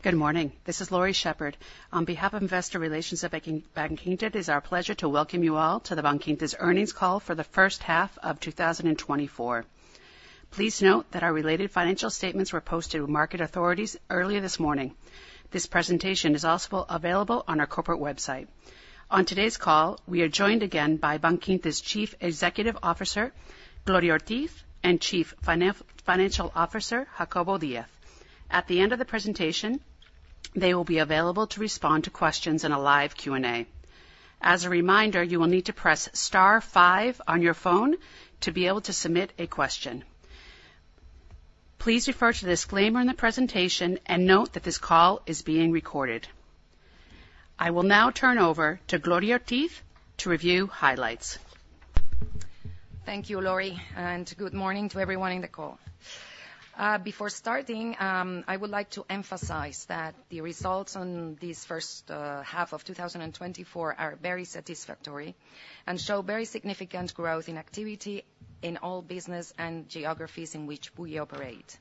Good morning, this is Laurie Shepard. On behalf of Investor Relations at Bankinter, it is our pleasure to welcome you all to Bankinter's Earnings Call for the First Half of 2024. Please note that our related financial statements were posted with market authorities earlier this morning. This presentation is also available on our corporate website. On today's call, we are joined again by Bankinter's Chief Executive Officer, Gloria Ortiz, and Chief Financial Officer, Jacobo Díaz. At the end of the presentation, they will be available to respond to questions in a live Q&A. As a reminder, you will need to press star five on your phone to be able to submit a question. Please refer to the disclaimer in the presentation, and note that this call is being recorded. I will now turn over to Gloria Ortiz to review highlights. Thank you, Laurie, and good morning to everyone in the call. Before starting, I would like to emphasize that the results on this first half of 2024 are very satisfactory and show very significant growth in activity in all business and geographies in which we operate.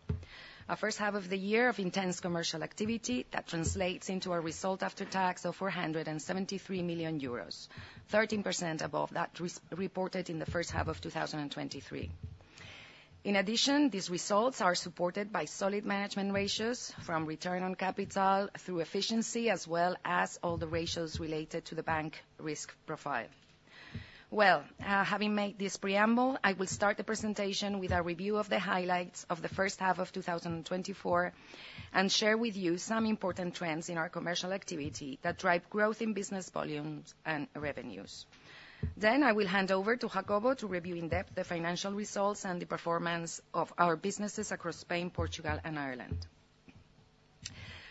A first half of the year of intense commercial activity that translates into a result after tax of 473 million euros, 13% above that reported in the first half of 2023. In addition, these results are supported by solid management ratios, from return on capital through efficiency, as well as all the ratios related to the bank risk profile. Well, having made this preamble, I will start the presentation with a review of the highlights of the first half of 2024, and share with you some important trends in our commercial activity that drive growth in business volumes and revenues. Then, I will hand over to Jacobo to review in depth the financial results and the performance of our businesses across Spain, Portugal, and Ireland.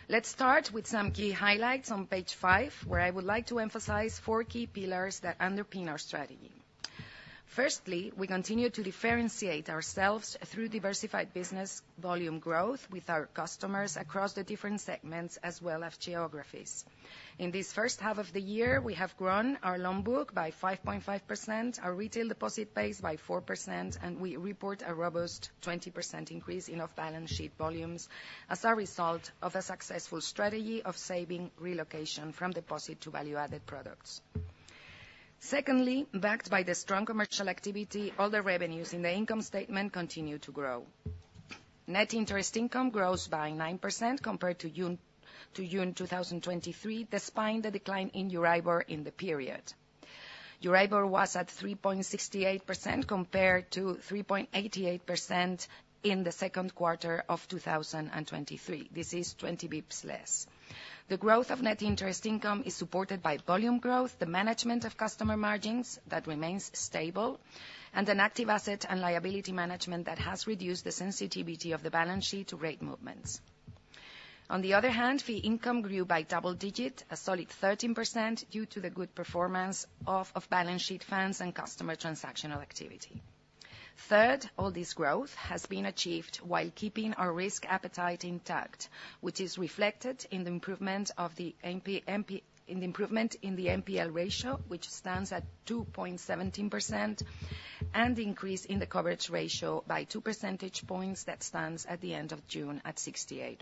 Let's start with some key highlights on page 5, where I would like to emphasize four key pillars that underpin our strategy. Firstly, we continue to differentiate ourselves through diversified business volume growth with our customers across the different segments, as well as geographies. In this first half of the year, we have grown our loan book by 5.5%, our retail deposit base by 4%, and we report a robust 20% increase in off-balance sheet volumes as a result of a successful strategy of saving relocation from deposit to value-added products. Secondly, backed by the strong commercial activity, all the revenues in the income statement continue to grow. Net interest income grows by 9% compared to June, to June 2023, despite the decline in Euribor in the period. Euribor was at 3.68% compared to 3.88% in the second quarter of 2023. This is 20 basis points less. The growth of net interest income is supported by volume growth, the management of customer margins, that remains stable, and an active asset and liability management that has reduced the sensitivity of the balance sheet to rate movements. On the other hand, fee income grew by double-digit, a solid 13%, due to the good performance of off-balance sheet funds and customer transactional activity. Third, all this growth has been achieved while keeping our risk appetite intact, which is reflected in the improvement in the NPL ratio, which stands at 2.17%, and increase in the coverage ratio by two percentage points that stands at the end of June at 68%.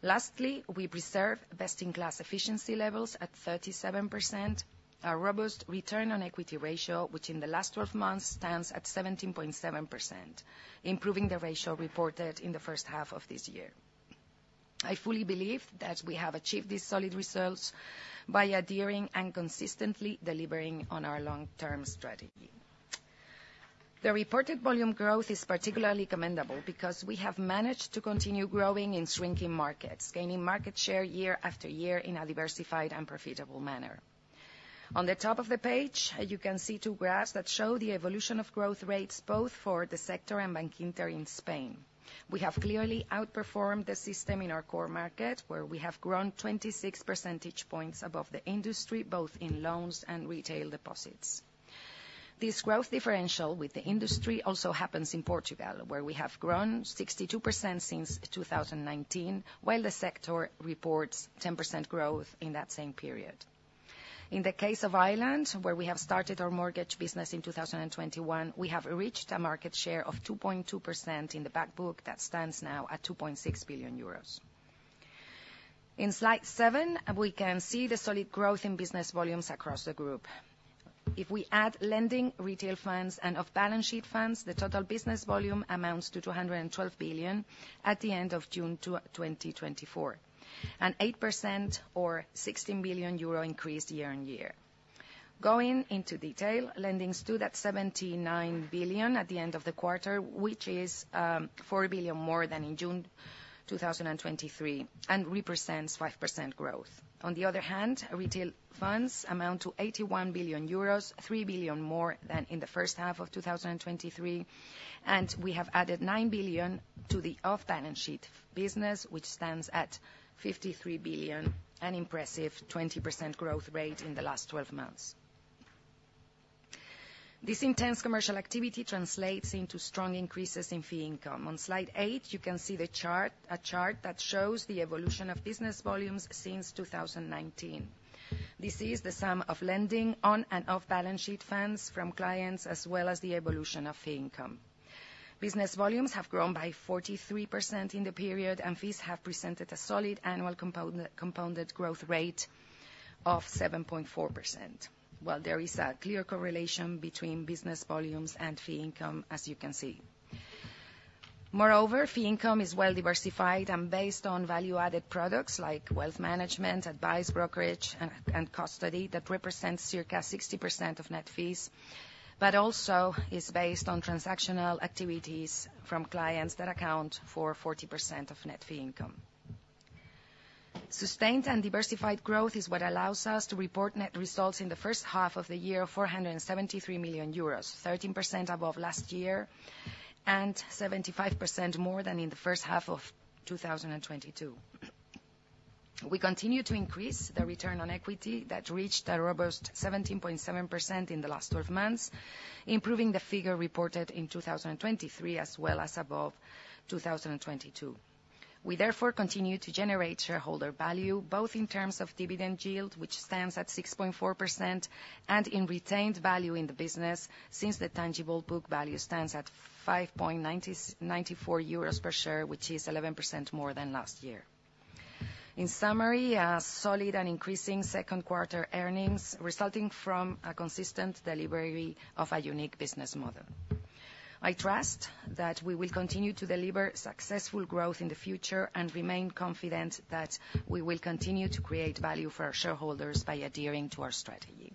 Lastly, we preserve best-in-class efficiency levels at 37%, a robust return on equity ratio, which in the last 12 months stands at 17.7%, improving the ratio reported in the first half of this year. I fully believe that we have achieved these solid results by adhering and consistently delivering on our long-term strategy. The reported volume growth is particularly commendable because we have managed to continue growing in shrinking markets, gaining market share year after year in a diversified and profitable manner. On the top of the page, you can see two graphs that show the evolution of growth rates, both for the sector and Bankinter in Spain. We have clearly outperformed the system in our core market, where we have grown 26 percentage points above the industry, both in loans and retail deposits. This growth differential with the industry also happens in Portugal, where we have grown 62% since 2019, while the sector reports 10% growth in that same period. In the case of Ireland, where we have started our mortgage business in 2021, we have reached a market share of 2.2% in the back book that stands now at 2.6 billion euros. In Slide seven, we can see the solid growth in business volumes across the group. If we add lending, retail funds, and off-balance sheet funds, the total business volume amounts to 212 billion at the end of June 2024, an 8% or 16 billion euro increase year-on-year. Going into detail, lending stood at 79 billion at the end of the quarter, which is, four billion more than in June 2023, and represents 5% growth. On the other hand, retail funds amount to 81 billion, three billion more than in the first half of 2023, and we have added nine billion to the off-balance sheet business, which stands at 53 billion, an impressive 20% growth rate in the last 12 months. This intense commercial activity translates into strong increases in fee income. On Slide eight, you can see the chart, a chart that shows the evolution of business volumes since 2019. This is the sum of lending on and off balance sheet funds from clients, as well as the evolution of fee income.... Business volumes have grown by 43% in the period, and fees have presented a solid annual compound, compounded growth rate of 7.4%. Well, there is a clear correlation between business volumes and fee income, as you can see. Moreover, fee income is well diversified and based on value-added products like wealth management, advice brokerage, and custody, that represents circa 60% of net fees, but also is based on transactional activities from clients that account for 40% of net fee income. Sustained and diversified growth is what allows us to report net results in the first half of the year, 473 million euros, 13% above last year, and 75% more than in the first half of 2022. We continue to increase the return on equity that reached a robust 17.7% in the last 12 months, improving the figure reported in 2023, as well as above 2022. We therefore continue to generate shareholder value, both in terms of dividend yield, which stands at 6.4%, and in retained value in the business, since the tangible book value stands at 5.94 euros per share, which is 11% more than last year. In summary, a solid and increasing second quarter earnings resulting from a consistent delivery of a unique business model. I trust that we will continue to deliver successful growth in the future and remain confident that we will continue to create value for our shareholders by adhering to our strategy.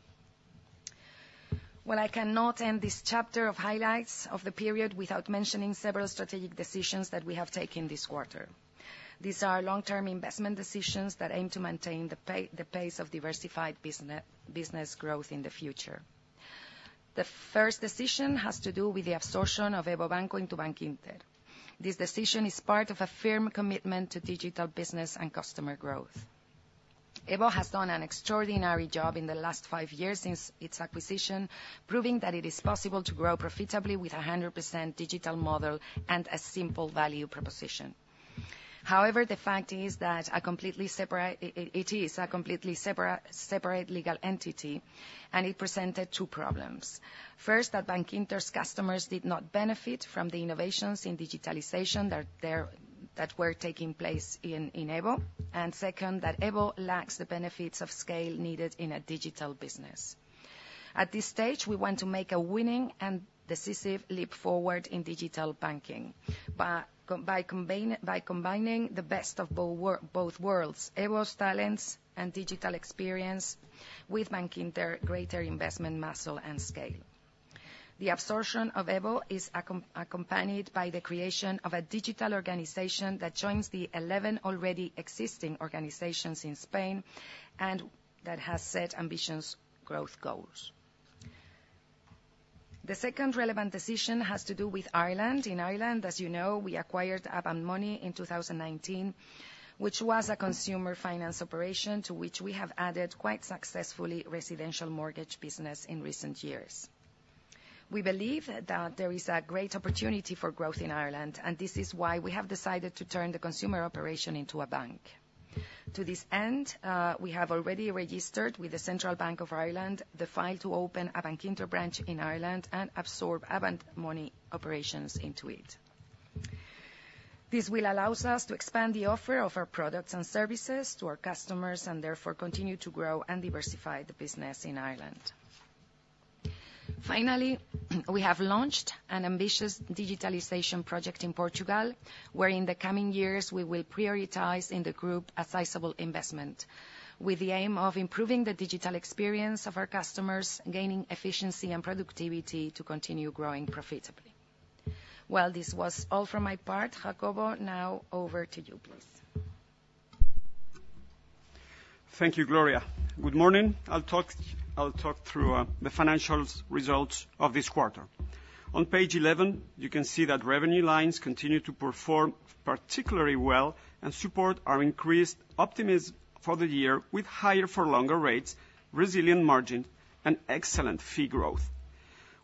Well, I cannot end this chapter of highlights of the period without mentioning several strategic decisions that we have taken this quarter. These are long-term investment decisions that aim to maintain the pace of diversified business growth in the future. The first decision has to do with the absorption of EVO Banco into Bankinter. This decision is part of a firm commitment to digital business and customer growth. EVO has done an extraordinary job in the last five years since its acquisition, proving that it is possible to grow profitably with a 100% digital model and a simple value proposition. However, the fact is that a completely separate legal entity, and it presented two problems. First, that Bankinter's customers did not benefit from the innovations in digitalization that were taking place in EVO. And second, that EVO lacks the benefits of scale needed in a digital business. At this stage, we want to make a winning and decisive leap forward in digital banking, by combining the best of both worlds, EVO's talents and digital experience, with Bankinter, greater investment muscle and scale. The absorption of EVO is accompanied by the creation of a digital organization that joins the eleven already existing organizations in Spain, and that has set ambitious growth goals. The second relevant decision has to do with Ireland. In Ireland, as you know, we acquired Avant Money in 2019, which was a consumer finance operation, to which we have added, quite successfully, residential mortgage business in recent years. We believe that there is a great opportunity for growth in Ireland, and this is why we have decided to turn the consumer operation into a bank. To this end, we have already registered with the Central Bank of Ireland the file to open a Bankinter branch in Ireland and absorb Avant Money operations into it. This will allow us to expand the offer of our products and services to our customers, and therefore, continue to grow and diversify the business in Ireland. Finally, we have launched an ambitious digitalization project in Portugal, where in the coming years we will prioritize in the group a sizable investment, with the aim of improving the digital experience of our customers, gaining efficiency and productivity to continue growing profitably. Well, this was all from my part. Jacobo, now over to you, please. Thank you, Gloria. Good morning. I'll talk, I'll talk through, the financial results of this quarter. On page 11, you can see that revenue lines continue to perform particularly well and support our increased optimism for the year, with higher for longer rates, resilient margin, and excellent fee growth.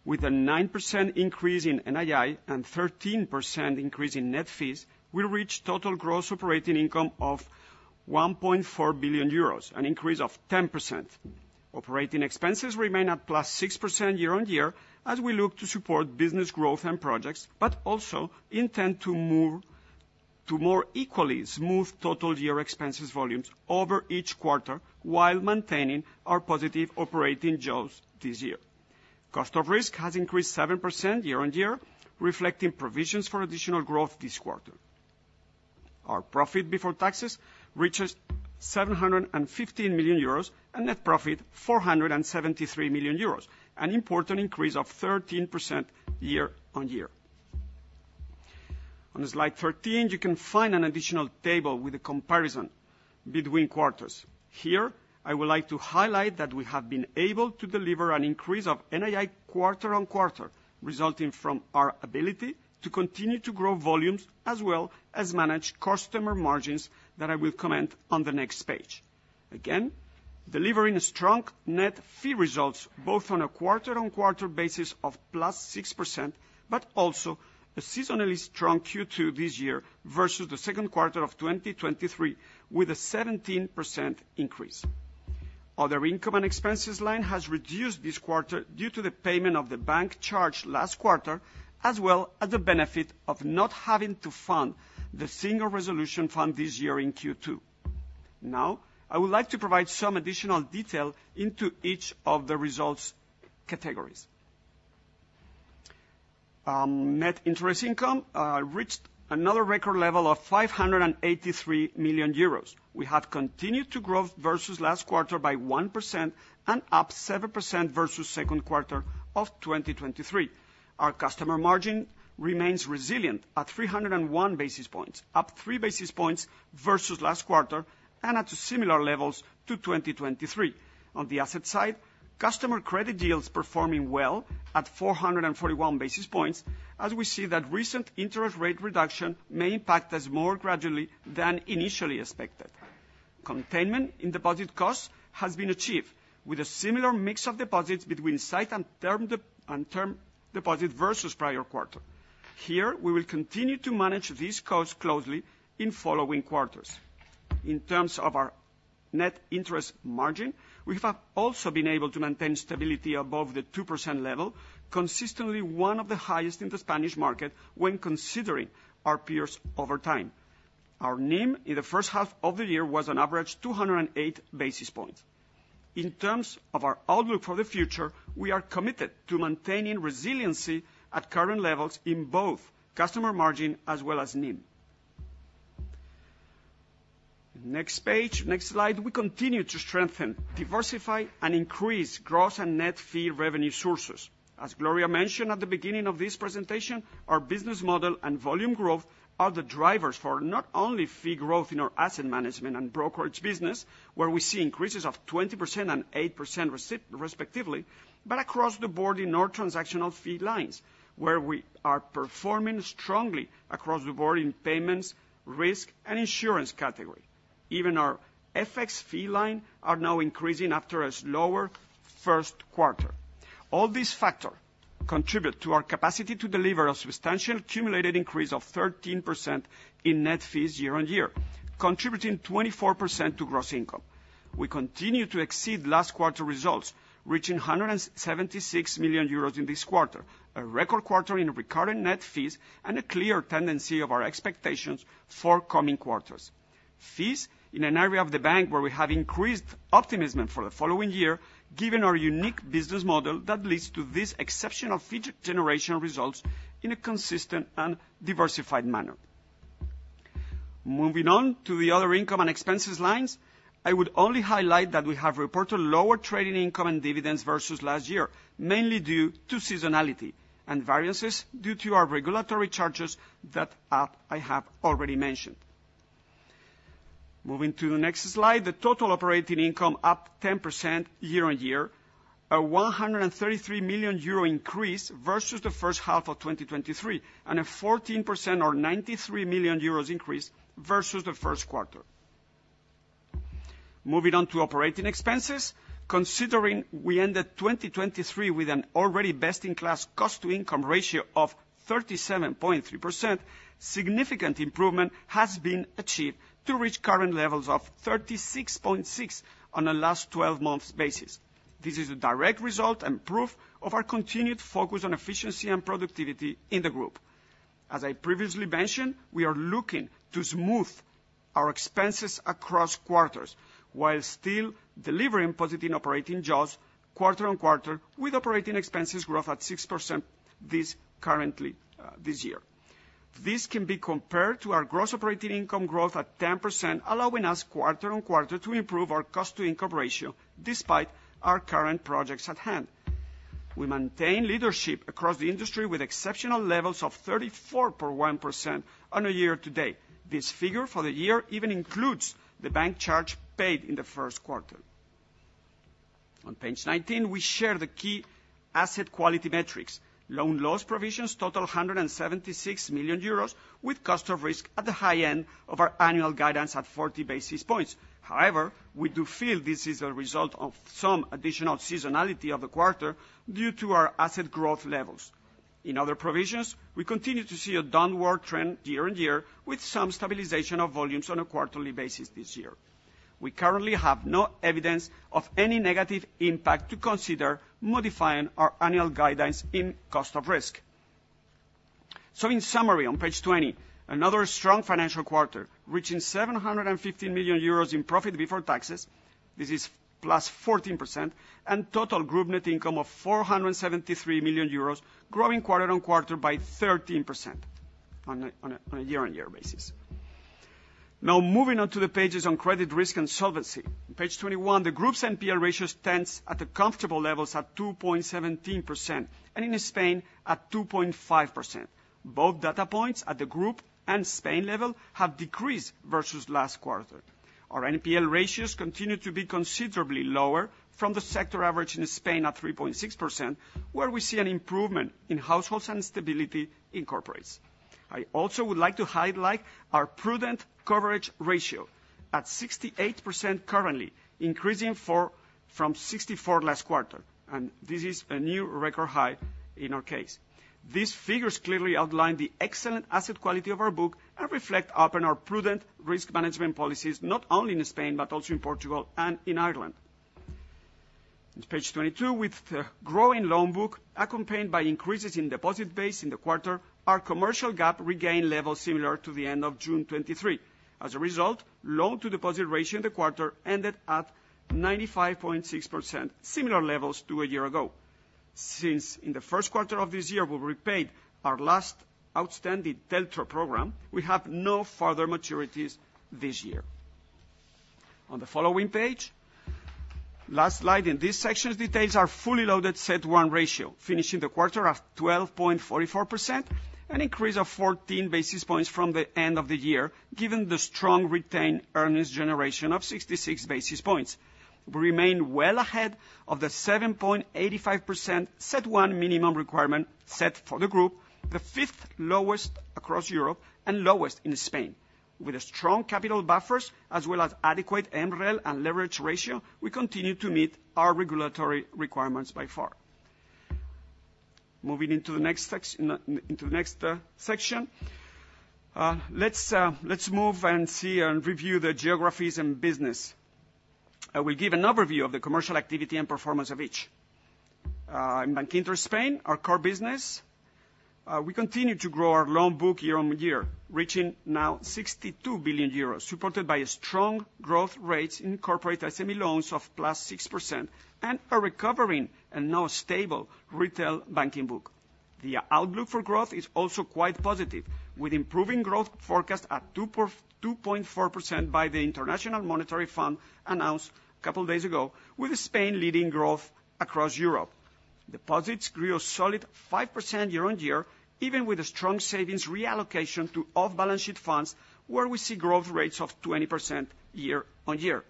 With a 9% increase in NII and 13% increase in net fees, we reach total gross operating income of 1.4 billion euros, an increase of 10%. Operating expenses remain at +6% year-on-year, as we look to support business growth and projects, but also intend to move to more equally smooth total year expenses volumes over each quarter, while maintaining our positive operating jaws this year. Cost of risk has increased 7% year-on-year, reflecting provisions for additional growth this quarter. Our profit before taxes reaches 715 million euros, and net profit, 473 million euros, an important increase of 13% year-on-year. On Slide 13, you can find an additional table with a comparison between quarters. Here, I would like to highlight that we have been able to deliver an increase of NII quarter-on-quarter, resulting from our ability to continue to grow volumes as well as manage customer margins, that I will comment on the next page. Again, delivering strong net fee results, both on a quarter-on-quarter basis of +6%, but also a seasonally strong Q2 this year versus the second quarter of 2023, with a 17% increase.... Other income and expenses line has reduced this quarter due to the payment of the bank charge last quarter, as well as the benefit of not having to fund the Single Resolution Fund this year in Q2. Now, I would like to provide some additional detail into each of the results categories. Net interest income reached another record level of 583 million euros. We have continued to grow versus last quarter by 1% and up 7% versus second quarter of 2023. Our customer margin remains resilient at 301 basis points, up 3 basis points versus last quarter, and at similar levels to 2023. On the asset side, customer credit yields performing well at 441 basis points, as we see that recent interest rate reduction may impact us more gradually than initially expected. Containment in deposit costs has been achieved, with a similar mix of deposits between sight and term deposits versus prior quarter. Here, we will continue to manage these costs closely in following quarters. In terms of our net interest margin, we have also been able to maintain stability above the 2% level, consistently one of the highest in the Spanish market when considering our peers over time. Our NIM in the first half of the year was on average 208 basis points. In terms of our outlook for the future, we are committed to maintaining resiliency at current levels in both customer margin as well as NIM. Next page, next slide. We continue to strengthen, diversify, and increase gross and net fee revenue sources. As Gloria mentioned at the beginning of this presentation, our business model and volume growth are the drivers for not only fee growth in our asset management and brokerage business, where we see increases of 20% and 8%, respectively, but across the board in our transactional fee lines, where we are performing strongly across the board in payments, risk, and insurance category. Even our FX fee line are now increasing after a slower first quarter. All these factors contribute to our capacity to deliver a substantial accumulated increase of 13% in net fees year-on-year, contributing 24% to gross income. We continue to exceed last quarter results, reaching 176 million euros in this quarter, a record quarter in recurring net fees, and a clear tendency of our expectations for coming quarters. Fees, in an area of the bank where we have increased optimism for the following year, given our unique business model that leads to this exceptional fee generation results in a consistent and diversified manner. Moving on to the other income and expenses lines, I would only highlight that we have reported lower trading income and dividends versus last year, mainly due to seasonality and variances due to our regulatory charges that, I have already mentioned. Moving to the next slide, the total operating income up 10% year-on-year, a 133 million euro increase versus the first half of 2023, and a 14% or 93 million euros increase versus the first quarter. Moving on to operating expenses. Considering we ended 2023 with an already best-in-class cost-to-income ratio of 37.3%, significant improvement has been achieved to reach current levels of 36.6 on a last twelve months basis. This is a direct result and proof of our continued focus on efficiency and productivity in the group. As I previously mentioned, we are looking to smooth our expenses across quarters, while still delivering positive operating jaws quarter on quarter, with operating expenses growth at 6%, this currently, this year. This can be compared to our gross operating income growth at 10%, allowing us quarter on quarter to improve our cost-to-income ratio, despite our current projects at hand. We maintain leadership across the industry with exceptional levels of 34.1% on a year to date. This figure for the year even includes the bank charge paid in the first quarter. On page 19, we share the key asset quality metrics. Loan loss provisions total 176 million euros, with cost of risk at the high end of our annual guidance at 40 basis points. However, we do feel this is a result of some additional seasonality of the quarter due to our asset growth levels. In other provisions, we continue to see a downward trend year-on-year, with some stabilization of volumes on a quarterly basis this year. We currently have no evidence of any negative impact to consider modifying our annual guidance in cost of risk. In summary, on page 20, another strong financial quarter, reaching 750 million euros in profit before taxes, this is +14%, and total group net income of 473 million euros, growing quarter-on-quarter by 13% on a year-on-year basis. Now, moving on to the pages on credit risk and solvency. On page 21, the group's NPL ratio stands at the comfortable levels at 2.17%, and in Spain, at 2.5%. Both data points at the group and Spain level have decreased versus last quarter. Our NPL ratios continue to be considerably lower from the sector average in Spain at 3.6%, where we see an improvement in households and stability in corporates. I also would like to highlight our prudent coverage ratio at 68% currently, increasing from 64% last quarter, and this is a new record high in our case. These figures clearly outline the excellent asset quality of our book and reflect upon our prudent risk management policies, not only in Spain, but also in Portugal and in Ireland. On page 22, with the growing loan book, accompanied by increases in deposit base in the quarter, our commercial gap regained levels similar to the end of June 2023. As a result, loan-to-deposit ratio in the quarter ended at 95.6%, similar levels to a year ago. Since in the first quarter of this year, we repaid our last outstanding TLTRO program, we have no further maturities this year. On the following page, last slide in this section details our fully loaded CET1 ratio, finishing the quarter of 12.44%, an increase of 14 basis points from the end of the year, given the strong retained earnings generation of 66 basis points. We remain well ahead of the 7.85% CET1 minimum requirement set for the group, the fifth lowest across Europe and lowest in Spain. With strong capital buffers, as well as adequate MREL and leverage ratio, we continue to meet our regulatory requirements by far. Moving into the next section. Let's, let's move and see and review the geographies and business. I will give an overview of the commercial activity and performance of each. In Bankinter Spain, our core business, we continue to grow our loan book year-on-year, reaching now 62 billion euros, supported by a strong growth rates in corporate SME loans of +6% and a recovering and now stable retail banking book. The outlook for growth is also quite positive, with improving growth forecast at 2.24% by the International Monetary Fund, announced a couple of days ago, with Spain leading growth across Europe. Deposits grew a solid 5% year-on-year, even with a strong savings reallocation to off-balance sheet funds, where we see growth rates of 20% year-on-year.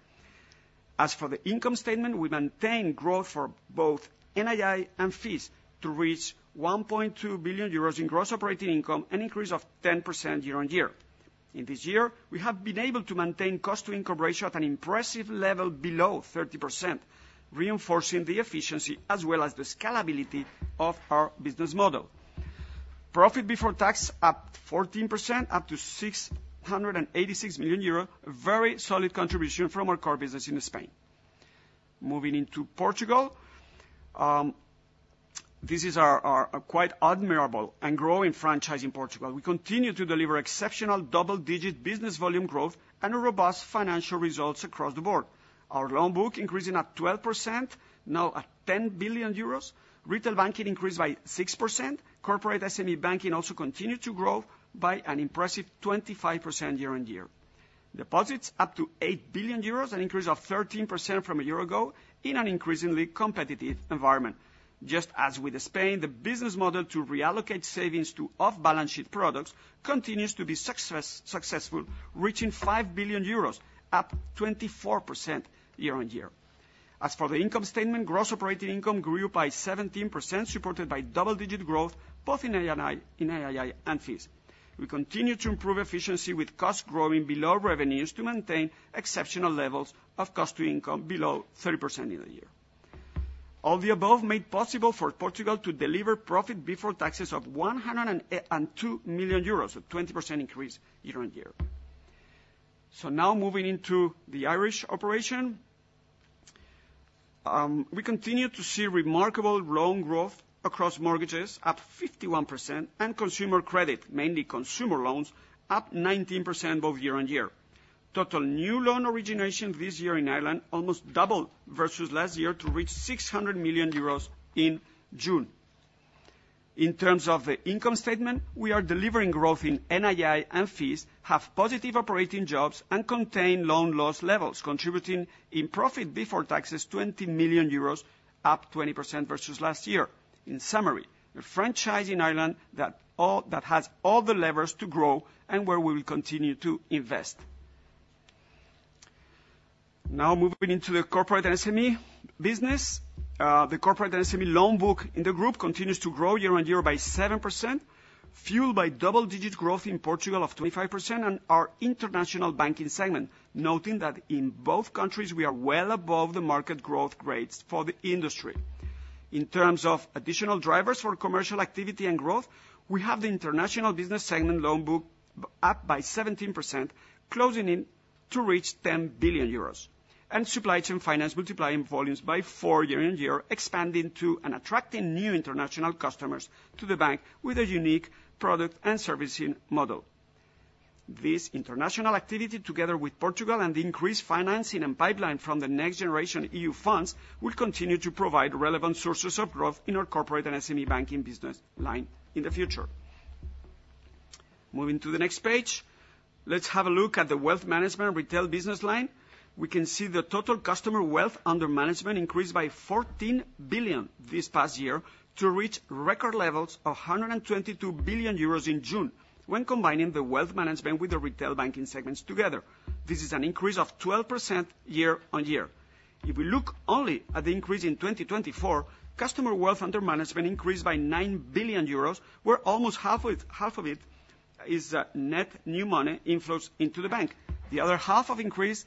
As for the income statement, we maintain growth for both NII and fees to reach 1.2 billion euros in gross operating income, an increase of 10% year-on-year. In this year, we have been able to maintain cost-to-income ratio at an impressive level below 30%, reinforcing the efficiency as well as the scalability of our business model. Profit before tax up 14%, up to 686 million euro. A very solid contribution from our core business in Spain. Moving into Portugal, this is our quite admirable and growing franchise in Portugal. We continue to deliver exceptional double-digit business volume growth and robust financial results across the board. Our loan book increasing at 12%, now at 10 billion euros. Retail banking increased by 6%. Corporate SME banking also continued to grow by an impressive 25% year-on-year. Deposits up to 8 billion euros, an increase of 13% from a year ago in an increasingly competitive environment. Just as with Spain, the business model to reallocate savings to off-balance sheet products continues to be successful, reaching 5 billion euros, up 24% year-on-year. As for the income statement, gross operating income grew by 17%, supported by double-digit growth both in NII and fees. We continue to improve efficiency with costs growing below revenues to maintain exceptional levels of cost-to-income below 30% year-on-year. All the above made possible for Portugal to deliver profit before taxes of 102 million euros, a 20% increase year-on-year. So now moving into the Irish operation, we continue to see remarkable loan growth across mortgages, up 51%, and consumer credit, mainly consumer loans, up 19% both year-on-year. Total new loan origination this year in Ireland almost doubled versus last year to reach 600 million euros in June. In terms of the income statement, we are delivering growth in NII and fees, have positive operating jaws, and contain loan loss levels, contributing in profit before taxes, 20 million euros, up 20% versus last year. In summary, a franchise in Ireland that has all the levers to grow and where we will continue to invest. Now, moving into the corporate SME business. The corporate SME loan book in the group continues to grow year-on-year by 7%, fueled by double-digit growth in Portugal of 25% and our international banking segment, noting that in both countries, we are well above the market growth rates for the industry. In terms of additional drivers for commercial activity and growth, we have the international business segment loan book up by 17%, closing in to reach 10 billion euros, and supply chain finance multiplying volumes by 4 year-on-year, expanding to and attracting new international customers to the bank with a unique product and servicing model. This international activity, together with Portugal and increased financing and pipeline from the Next Generation EU funds, will continue to provide relevant sources of growth in our corporate and SME banking business line in the future. Moving to the next page, let's have a look at the wealth management retail business line. We can see the total customer wealth under management increased by EUR 14 billion this past year to reach record levels of EUR 122 billion in June, when combining the wealth management with the retail banking segments together. This is an increase of 12% year-on-year. If we look only at the increase in 2024, customer wealth under management increased by 9 billion euros, where almost half, half of it is net new money inflows into the bank. The other half of increase is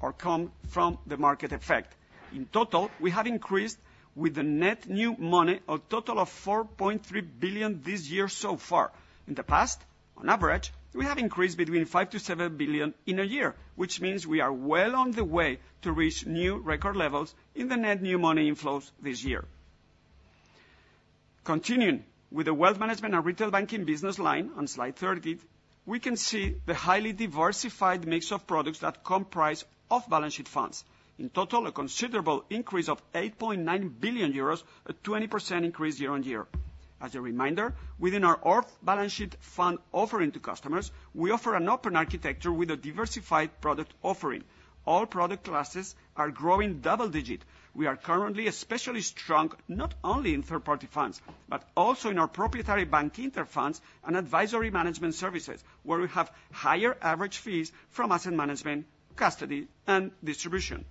or come from the market effect. In total, we have increased with the net new money a total of 4.3 billion this year so far. In the past, on average, we have increased between 5 billion to 7 billion in a year, which means we are well on the way to reach new record levels in the net new money inflows this year... Continuing with the wealth management and retail banking business line, on Slide 30, we can see the highly diversified mix of products that comprise off-balance sheet funds. In total, a considerable increase of 8.9 billion euros, a 20% increase year-on-year. As a reminder, within our off-balance sheet fund offering to customers, we offer an open architecture with a diversified product offering. All product classes are growing double-digit. We are currently especially strong, not only in third party funds, but also in our proprietary Bankinter funds and advisory management services, where we have higher average fees from asset management, custody, and distribution.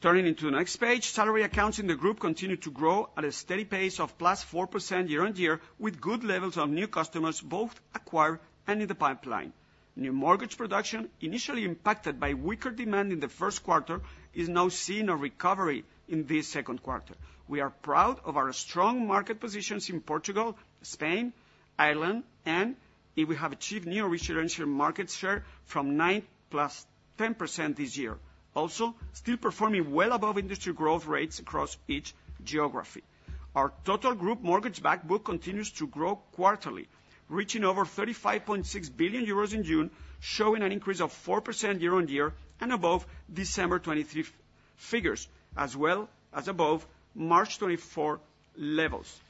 Turning to the next page, salary accounts in the group continue to grow at a steady pace of +4% year-on-year, with good levels of new customers, both acquired and in the pipeline. New mortgage production, initially impacted by weaker demand in the first quarter, is now seeing a recovery in this second quarter. We are proud of our strong market positions in Portugal, Spain, Ireland, and we have achieved new residential market share from 9 + 10% this year. Also, still performing well above industry growth rates across each geography. Our total group mortgage back book continues to grow quarterly, reaching over 35.6 billion euros in June, showing an increase of 4% year-on-year and above December 23, 2023 figures, as well as above March 24, 2024 levels.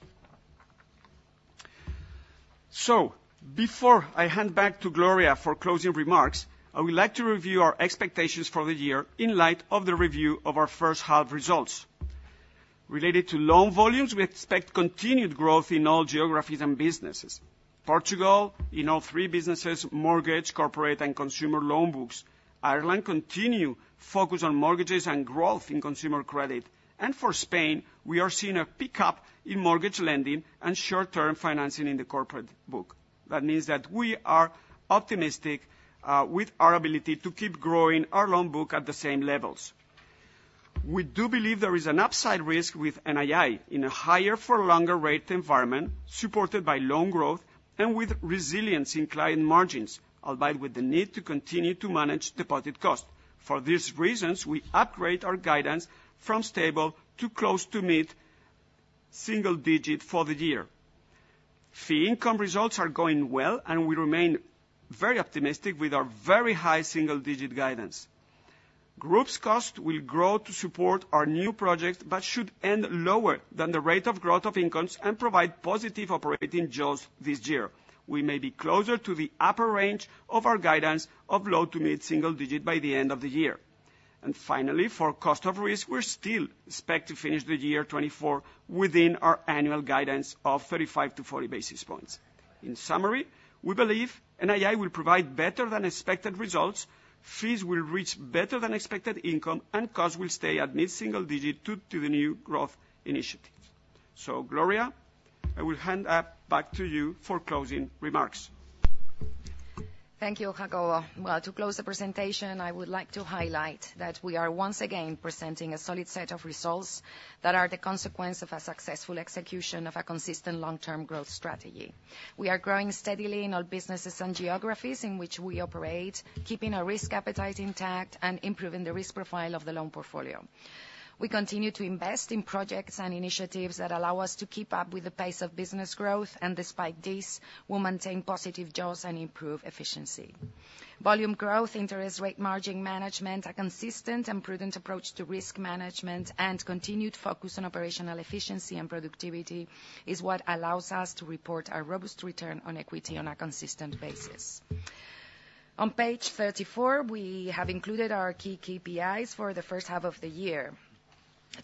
So before I hand back to Gloria for closing remarks, I would like to review our expectations for the year in light of the review of our first half results. Related to loan volumes, we expect continued growth in all geographies and businesses. Portugal, in all three businesses, mortgage, corporate, and consumer loan books. Ireland continue focus on mortgages and growth in consumer credit. For Spain, we are seeing a pickup in mortgage lending and short-term financing in the corporate book. That means that we are optimistic with our ability to keep growing our loan book at the same levels. We do believe there is an upside risk with NII in a higher for longer rate environment, supported by loan growth and with resilience in client margins, albeit with the need to continue to manage deposit cost. For these reasons, we upgrade our guidance from stable to close to meet single digit for the year. Fee income results are going well, and we remain very optimistic with our very high single digit guidance. Group's cost will grow to support our new projects, but should end lower than the rate of growth of incomes and provide positive operating jaws this year. We may be closer to the upper range of our guidance of low to mid-single digit by the end of the year. And finally, for cost of risk, we still expect to finish the year 2024 within our annual guidance of 35-40 basis points. In summary, we believe NII will provide better than expected results, fees will reach better than expected income, and costs will stay at mid-single digit due to the new growth initiatives. So Gloria, I will hand up, back to you for closing remarks. Thank you, Jacobo. Well, to close the presentation, I would like to highlight that we are once again presenting a solid set of results that are the consequence of a successful execution of a consistent long-term growth strategy. We are growing steadily in all businesses and geographies in which we operate, keeping our risk appetite intact and improving the risk profile of the loan portfolio. We continue to invest in projects and initiatives that allow us to keep up with the pace of business growth, and despite this, we'll maintain positive jaws and improve efficiency. Volume growth, interest rate margin management, a consistent and prudent approach to risk management, and continued focus on operational efficiency and productivity, is what allows us to report our robust return on equity on a consistent basis. On page 34, we have included our key KPIs for the first half of the year.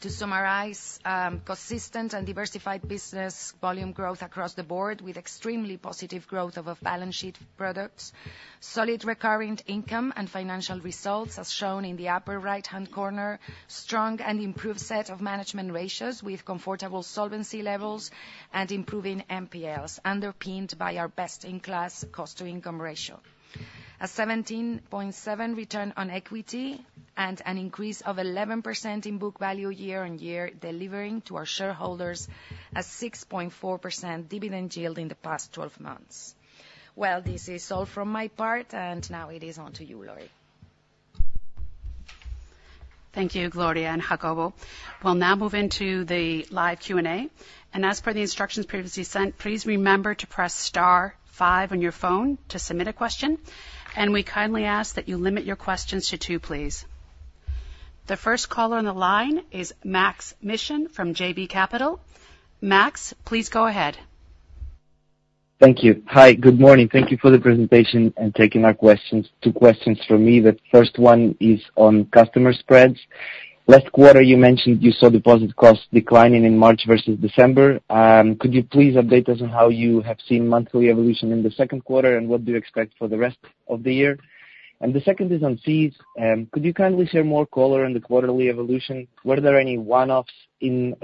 To summarize, consistent and diversified business volume growth across the board, with extremely positive growth of off-balance-sheet products, solid recurring income and financial results, as shown in the upper right-hand corner, strong and improved set of management ratios with comfortable solvency levels and improving NPLs, underpinned by our best-in-class cost-to-income ratio. A 17.7 return on equity and an increase of 11% in book value year on year, delivering to our shareholders a 6.4% dividend yield in the past 12 months. Well, this is all from my part, and now it is on to you, Laurie. Thank you, Gloria and Jacobo. We'll now move into the live Q&A, and as per the instructions previously sent, please remember to press star five on your phone to submit a question, and we kindly ask that you limit your questions to two, please. The first caller on the line is Maksym Mishyn from JB Capital Markets. Maksym, please go ahead. Thank you. Hi, good morning. Thank you for the presentation and taking my questions. Two questions from me. The first one is on customer spreads. Last quarter, you mentioned you saw deposit costs declining in March versus December. Could you please update us on how you have seen monthly evolution in the second quarter, and what do you expect for the rest of the year? And the second is on fees. Could you kindly share more color on the quarterly evolution? Were there any one-offs in?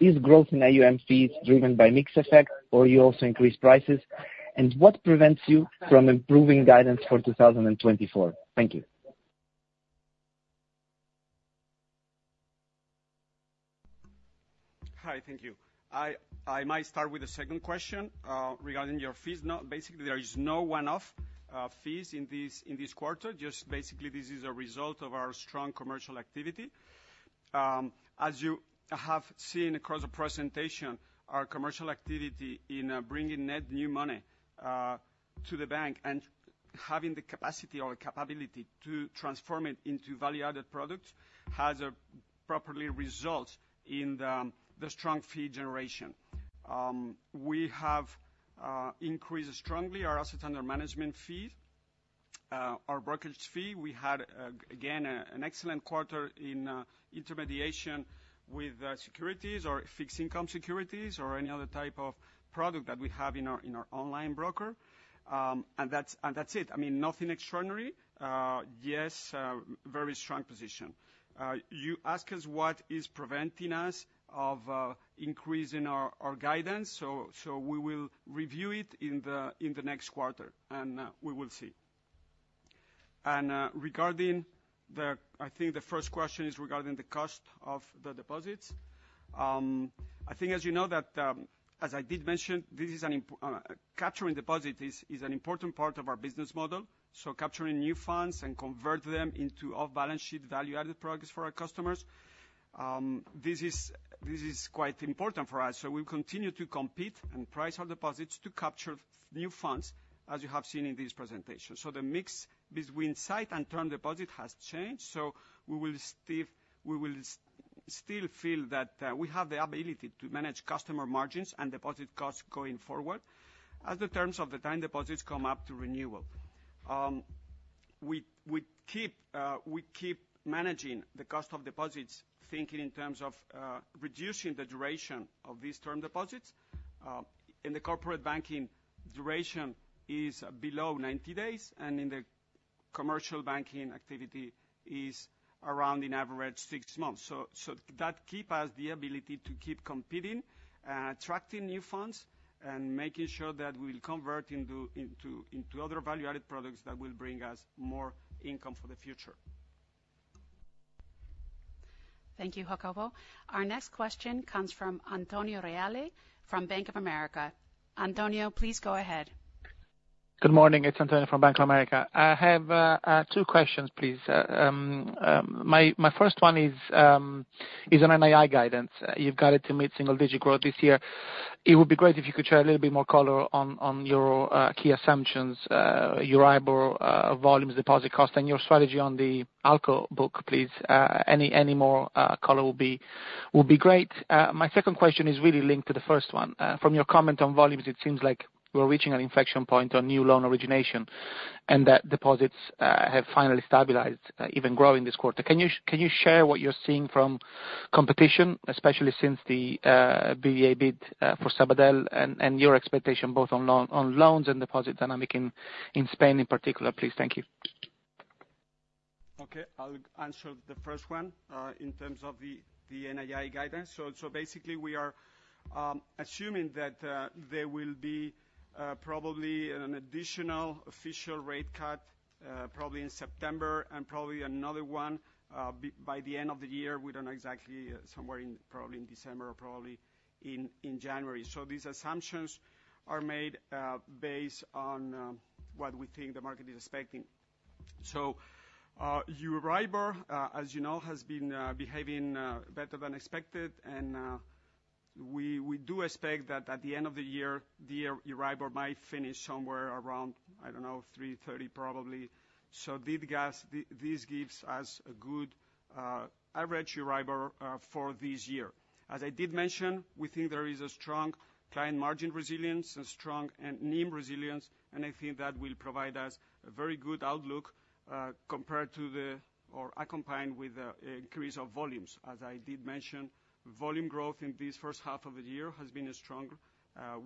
Is growth in AUM fees driven by mix effect, or you also increase prices? And what prevents you from improving guidance for 2024? Thank you. Hi, thank you. I might start with the second question regarding your fees. No, basically, there is no one-off fees in this quarter, just basically this is a result of our strong commercial activity. As you have seen across the presentation, our commercial activity in bringing net new money to the bank and having the capacity or capability to transform it into value-added products has properly result in the strong fee generation. We have increased strongly our assets under management fee our brokerage fee. We had again an excellent quarter in intermediation with securities or fixed income securities or any other type of product that we have in our online broker. And that's it. I mean, nothing extraordinary. Yes, a very strong position. You ask us what is preventing us of increasing our guidance, so we will review it in the next quarter, and we will see. Regarding, I think the first question is regarding the cost of the deposits. I think as you know, as I did mention, capturing deposits is an important part of our business model, so capturing new funds and convert them into off-balance sheet, value-added products for our customers. This is quite important for us, so we'll continue to compete and price our deposits to capture new funds, as you have seen in this presentation. So the mix between sight and term deposit has changed, so we will still feel that we have the ability to manage customer margins and deposit costs going forward as the terms of the time deposits come up to renewal. We keep managing the cost of deposits, thinking in terms of reducing the duration of these term deposits. In the corporate banking, duration is below 90 days, and in the commercial banking activity is around in average six months. So that keep us the ability to keep competing, attracting new funds, and making sure that we'll convert into other value-added products that will bring us more income for the future. Thank you, Jacobo. Our next question comes from Antonio Reale from Bank of America. Antonio, please go ahead. Good morning. It's Antonio from Bank of America. I have two questions, please. My first one is an NII guidance. You've got it to meet single digit growth this year. It would be great if you could share a little bit more color on your key assumptions, your Euribor, volumes, deposit cost, and your strategy on the ALCO book, please. Any more color will be great. My second question is really linked to the first one. From your comment on volumes, it seems like we're reaching an inflection point on new loan origination, and that deposits have finally stabilized, even growing this quarter. Can you share what you're seeing from competition, especially since the BBVA bid for Sabadell, and your expectation both on loan, on loans and deposit dynamics in Spain in particular, please? Thank you. Okay, I'll answer the first one in terms of the NII guidance. So basically, we are assuming that there will be probably an additional official rate cut probably in September, and probably another one by the end of the year. We don't know exactly, somewhere in probably in December or probably in January. So these assumptions are made based on what we think the market is expecting. So Euribor, as you know, has been behaving better than expected, and we do expect that at the end of the year, the Euribor might finish somewhere around, I don't know, 3.30, probably. So this gives us a good average Euribor for this year. As I did mention, we think there is a strong client margin resilience and strong NIM resilience, and I think that will provide us a very good outlook, compared to the, or accompanied with, increase of volumes. As I did mention, volume growth in this first half of the year has been strong.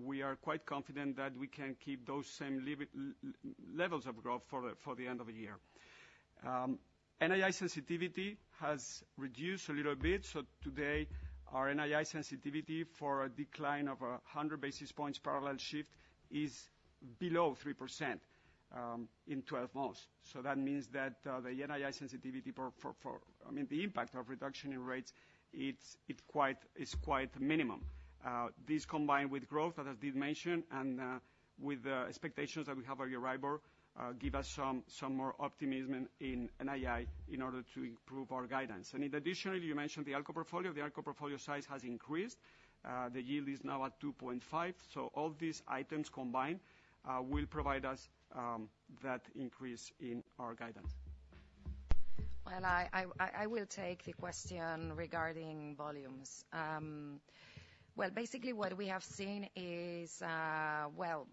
We are quite confident that we can keep those same levels of growth for the end of the year. NII sensitivity has reduced a little bit, so today, our NII sensitivity for a decline of 100 basis points parallel shift is below 3% in 12 months. So that means that the NII sensitivity for, I mean, the impact of reduction in rates is quite minimum. This combined with growth, as I did mention, and with the expectations that we have our Euribor, give us some more optimism in NII in order to improve our guidance. And in additionally, you mentioned the ALCO portfolio. The ALCO portfolio size has increased. The yield is now at 2.5, so all these items combined will provide us that increase in our guidance. Well, I will take the question regarding volumes. Well, basically what we have seen is, well,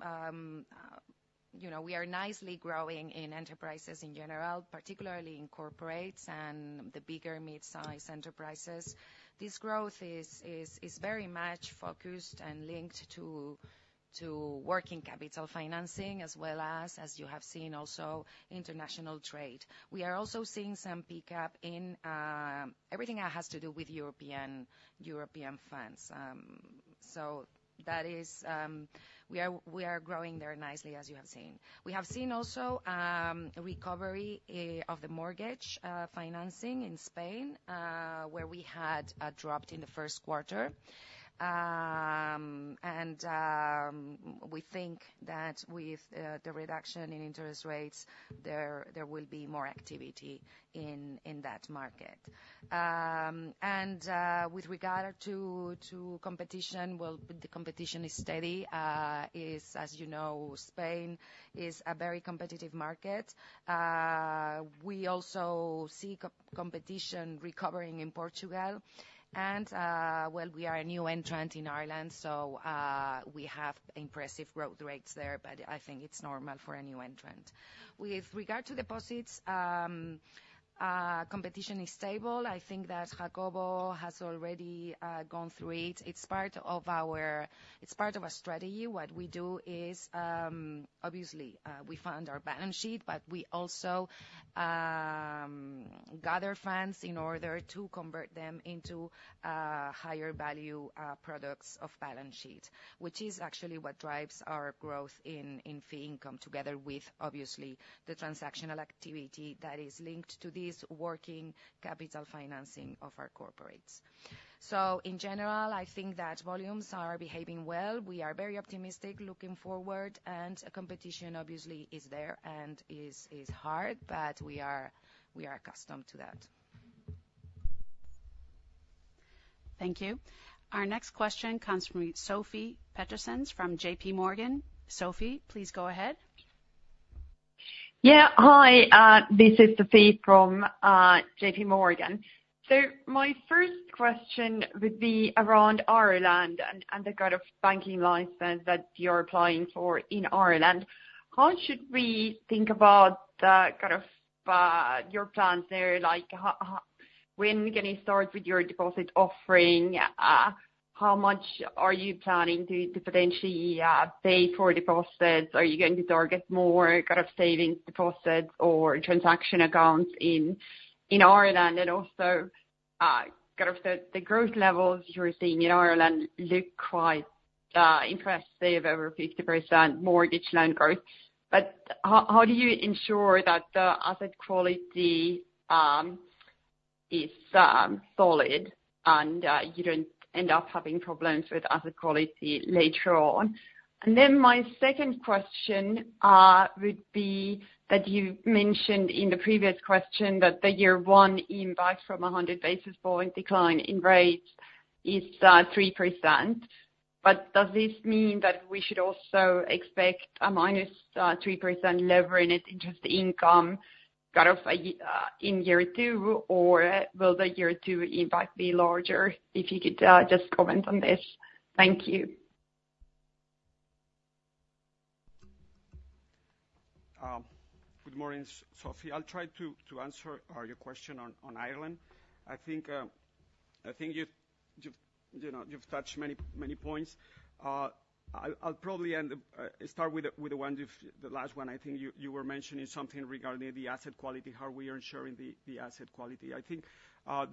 you know, we are nicely growing in enterprises in general, particularly in corporates and the bigger mid-size enterprises. This growth is very much focused and linked to working capital financing, as well as, as you have seen also, international trade. We are also seeing some pickup in everything that has to do with European funds. So that is, we are growing there nicely, as you have seen. We have seen also a recovery of the mortgage financing in Spain, where we had dropped in the first quarter. And we think that with the reduction in interest rates, there will be more activity in that market. With regard to competition, well, the competition is steady. As you know, Spain is a very competitive market. We also see competition recovering in Portugal, and well, we are a new entrant in Ireland, so we have impressive growth rates there, but I think it's normal for a new entrant. With regard to deposits, competition is stable. I think that Jacobo has already gone through it. It's part of our, it's part of our strategy. What we do is obviously we fund our balance sheet, but we also gather funds in order to convert them into higher value products of balance sheet, which is actually what drives our growth in fee income, together with obviously the transactional activity that is linked to this working capital financing of our corporates. So in general, I think that volumes are behaving well. We are very optimistic looking forward, and competition obviously is there and is hard, but we are accustomed to that. Thank you. Our next question comes from Sofie Peterzens from JPMorgan. Sofie, please go ahead. Yeah, hi, this is Sofie from JPMorgan. So my first question would be around Ireland and the kind of banking license that you're applying for in Ireland. How should we think about the kind of your plans there? Like, how, when are we gonna start with your deposit offering? How much are you planning to, to potentially, pay for deposits? Are you going to target more kind of savings deposits or transaction accounts in Ireland? And also, kind of the growth levels you're seeing in Ireland look quite impressive, over 50% mortgage loan growth. But how do you ensure that the asset quality is solid, and you don't end up having problems with asset quality later on? My second question would be that you mentioned in the previous question that the year one impact from a 100 basis point decline in rates is 3%, but does this mean that we should also expect a minus 3% lever in net interest income, kind of, in year two, or will the year two impact be larger? If you could just comment on this. Thank you. Good morning, Sofie. I'll try to answer your question on Ireland. I think you've, you know, touched many, many points. I'll probably start with the last one, I think you were mentioning something regarding the asset quality, how we are ensuring the asset quality. I think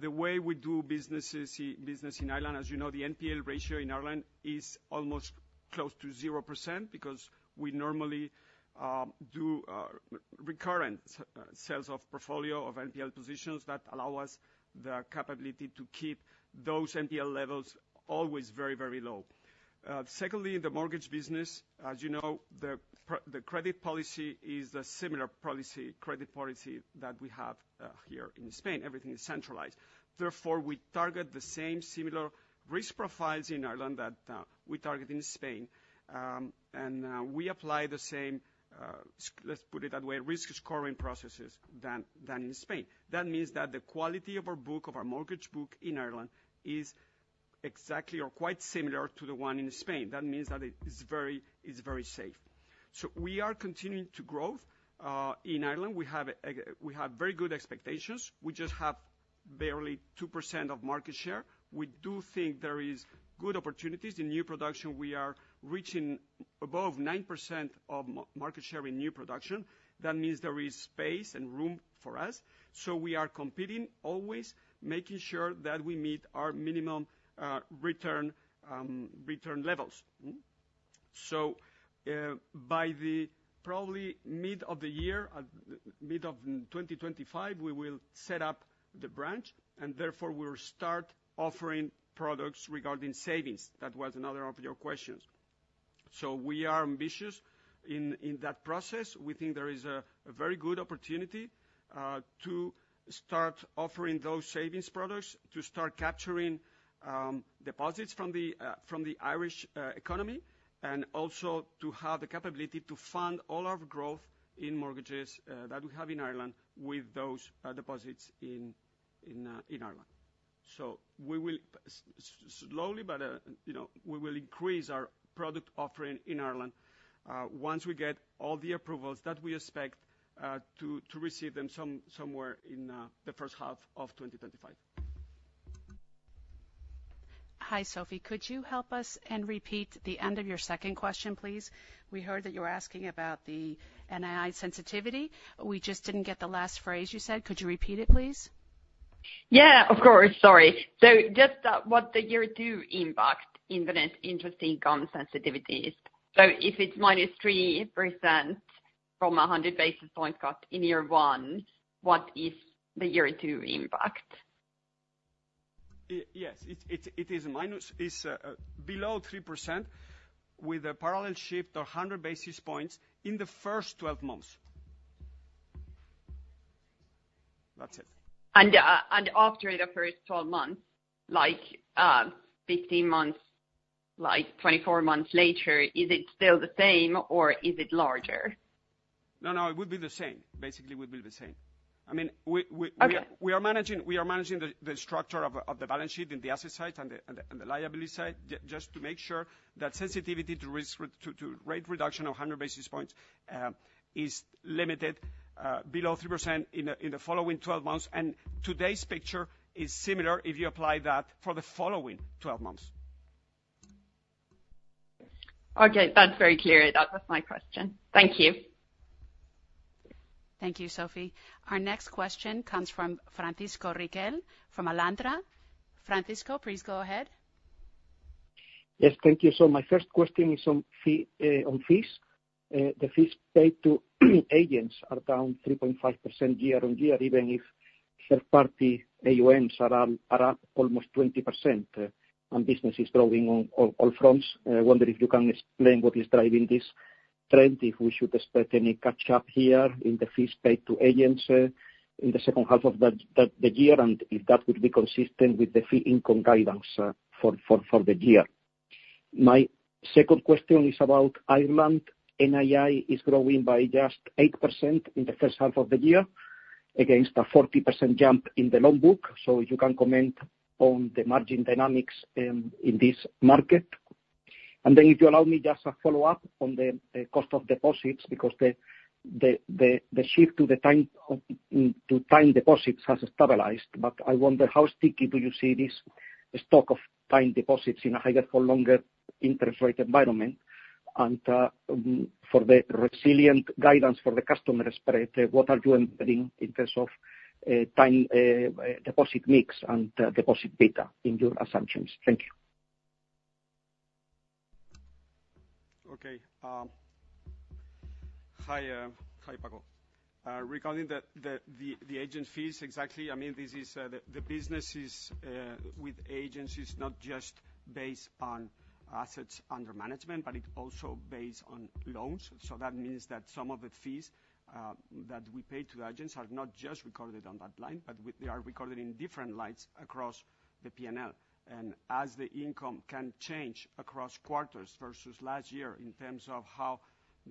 the way we do business in Ireland, as you know, the NPL ratio in Ireland is almost close to 0%, because we normally do recurrent sales of portfolio of NPL positions that allow us the capability to keep those NPL levels always very, very low. Secondly, in the mortgage business, as you know, the credit policy is a similar credit policy that we have here in Spain. Everything is centralized. Therefore, we target the same similar risk profiles in Ireland that we target in Spain. We apply the same, let's put it that way, risk scoring processes than in Spain. That means that the quality of our book, of our mortgage book in Ireland is exactly or quite similar to the one in Spain. That means that it is very, it's very safe. So we are continuing to grow in Ireland. We have very good expectations. We just have barely 2% of market share. We do think there is good opportunities. In new production, we are reaching above 9% of market share in new production. That means there is space and room for us. So we are competing, always making sure that we meet our minimum return return levels. So, by probably mid of the year, mid of 2025, we will set up the branch, and therefore, we'll start offering products regarding savings. That was another of your questions. So we are ambitious in that process. We think there is a very good opportunity to start offering those savings products, to start capturing deposits from the Irish economy, and also to have the capability to fund all our growth in mortgages that we have in Ireland with those deposits in Ireland. So we will slowly, but you know, we will increase our product offering in Ireland once we get all the approvals that we expect to receive them somewhere in the first half of 2025. Hi, Sofie, could you help us and repeat the end of your second question, please? We heard that you were asking about the NII sensitivity. We just didn't get the last phrase you said. Could you repeat it, please? Yeah, of course, sorry. So just, what the year two impact in the net interest income sensitivity is. So if it's -3% from a 100 basis points cut in year one, what is the year two impact? Yes, it is minus—it's below 3% with a parallel shift of 100 basis points in the first 12 months. That's it. And after the first 12 months, like, 15 months, like 24 months later, is it still the same or is it larger? No, no, it would be the same. Basically, it would be the same. I mean, we- Okay. We are managing the structure of the balance sheet in the asset side and the liability side, just to make sure that sensitivity to rate reduction of 100 basis points is limited below 3% in the following 12 months. And today's picture is similar if you apply that for the following 12 months. Okay, that's very clear. That was my question. Thank you. Thank you, Sophie. Our next question comes from Francisco Riquel from Alantra. Francisco, please go ahead. Yes, thank you. So my first question is on fees. The fees paid to agents are down 3.5% year-on-year, even if third-party AUMs are up almost 20%, and business is growing on all fronts. I wonder if you can explain what is driving this trend, if we should expect any catch up here in the fees paid to agents in the second half of the year, and if that would be consistent with the fee income guidance for the year. My second question is about Ireland. NII is growing by just 8% in the first half of the year, against a 40% jump in the loan book, so if you can comment on the margin dynamics in this market. Then if you allow me just a follow-up on the cost of deposits, because the shift to time deposits has stabilized, but I wonder how sticky do you see this stock of time deposits in a higher for longer interest rate environment? And for the resilient guidance for the customer spread, what are you entering in terms of time deposit mix and deposit beta in your assumptions? Thank you. Okay, hi, Hi, Jacobo. Regarding the agent fees, exactly, I mean, this is the business with agents is not just based on assets under management, but it also based on loans. So that means that some of the fees that we pay to agents are not just recorded on that line, but they are recorded in different lines across the P&L. And as the income can change across quarters versus last year, in terms of how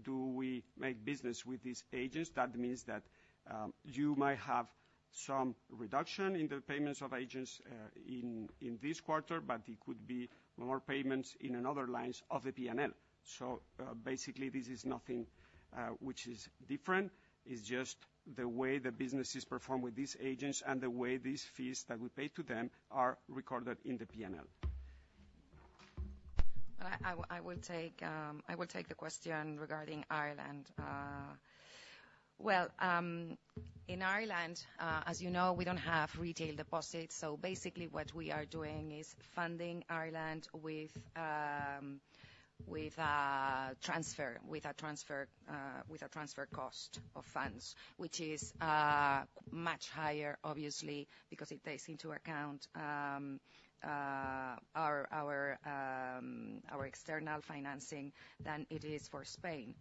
do we make business with these agents, that means that you might have some reduction in the payments of agents in this quarter, but it could be more payments in another lines of the P&L. So, basically, this is nothing which is different. It's just the way the business is performed with these agents and the way these fees that we pay to them are recorded in the P&L. Well, I will take the question regarding Ireland. Well, in Ireland, as you know, we don't have retail deposits, so basically what we are doing is funding Ireland with a transfer cost of funds, which is much higher, obviously, because it takes into account our external financing than it is for Spain.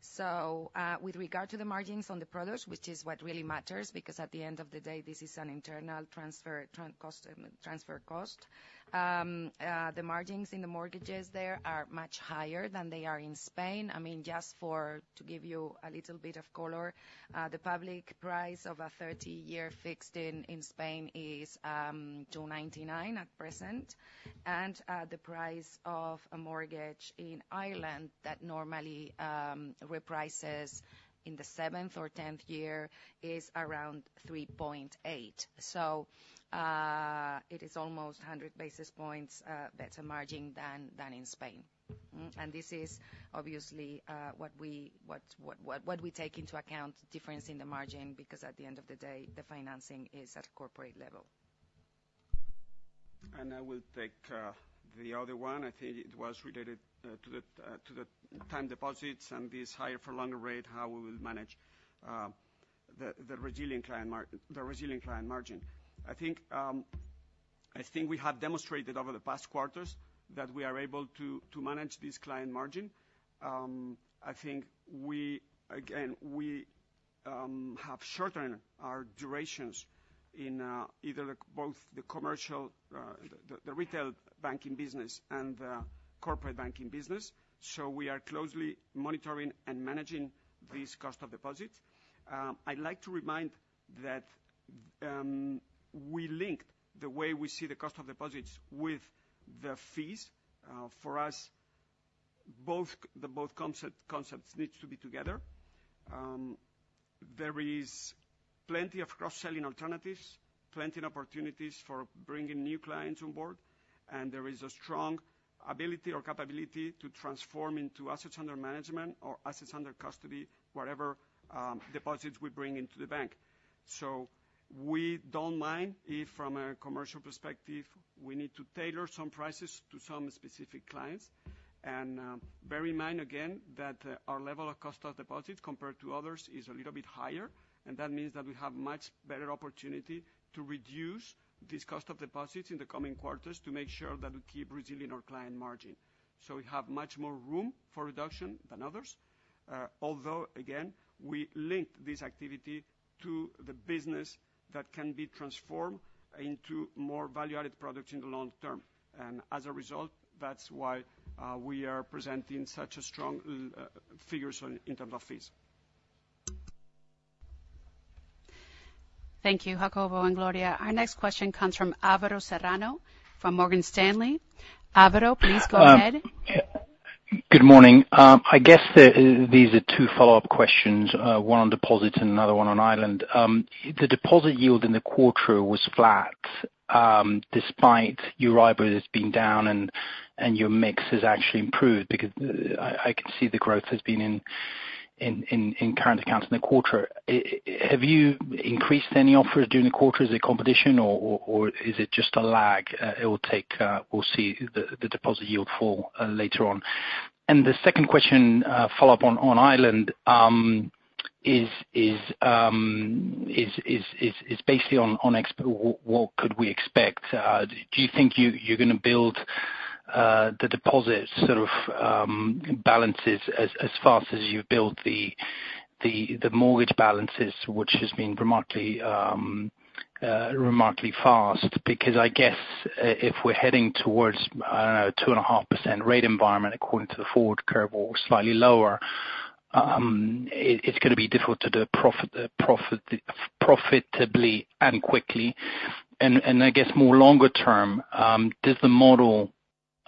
So, with regard to the margins on the products, which is what really matters, because at the end of the day, this is an internal transfer cost, the margins in the mortgages there are much higher than they are in Spain. I mean, just for, to give you a little bit of color, the public price of a 30-year fixed in Spain is 2.99 at present. And the price of a mortgage in Ireland that normally reprices in the seventh or tenth year is around 3.8. So it is almost 100 basis points better margin than in Spain. And this is obviously what we take into account difference in the margin, because at the end of the day, the financing is at a corporate level. And I will take the other one. I think it was related to the time deposits and this higher for longer rate, how we will manage the resilient client margin. I think we have demonstrated over the past quarters that we are able to manage this client margin. I think we again have shortened our durations in both the commercial, the retail banking business and the corporate banking business. So we are closely monitoring and managing this cost of deposits. I'd like to remind that we linked the way we see the cost of deposits with the fees. For us both concepts needs to be together. There is plenty of cross-selling alternatives, plenty of opportunities for bringing new clients on board, and there is a strong ability or capability to transform into assets under management or assets under custody, whatever, deposits we bring into the bank. So we don't mind if, from a commercial perspective, we need to tailor some prices to some specific clients. And, bear in mind, again, that, our level of cost of deposits compared to others is a little bit higher, and that means that we have much better opportunity to reduce this cost of deposits in the coming quarters to make sure that we keep resilient our client margin. So we have much more room for reduction than others. Although, again, we link this activity to the business that can be transformed into more value-added products in the long term. As a result, that's why we are presenting such a strong figures on, in terms of fees. Thank you, Jacobo and Gloria. Our next question comes from Alvaro Serrano from Morgan Stanley. Alvaro, please go ahead. Good morning. I guess these are two follow-up questions, one on deposits and another one on Ireland. The deposit yield in the quarter was flat, despite your Euribor has been down, and your mix has actually improved, because I can see the growth has been in current accounts in the quarter. Have you increased any offers during the quarter? Is it competition or is it just a lag, it will take, we'll see the deposit yield fall later on? And the second question, follow-up on Ireland, is basically on ex- what could we expect? Do you think you're gonna build the deposits sort of balances as fast as you've built the mortgage balances, which has been remarkably fast? Because I guess if we're heading towards a 2.5% rate environment, according to the forward curve or slightly lower, it's gonna be difficult to do profitably and quickly. And I guess more longer term, does the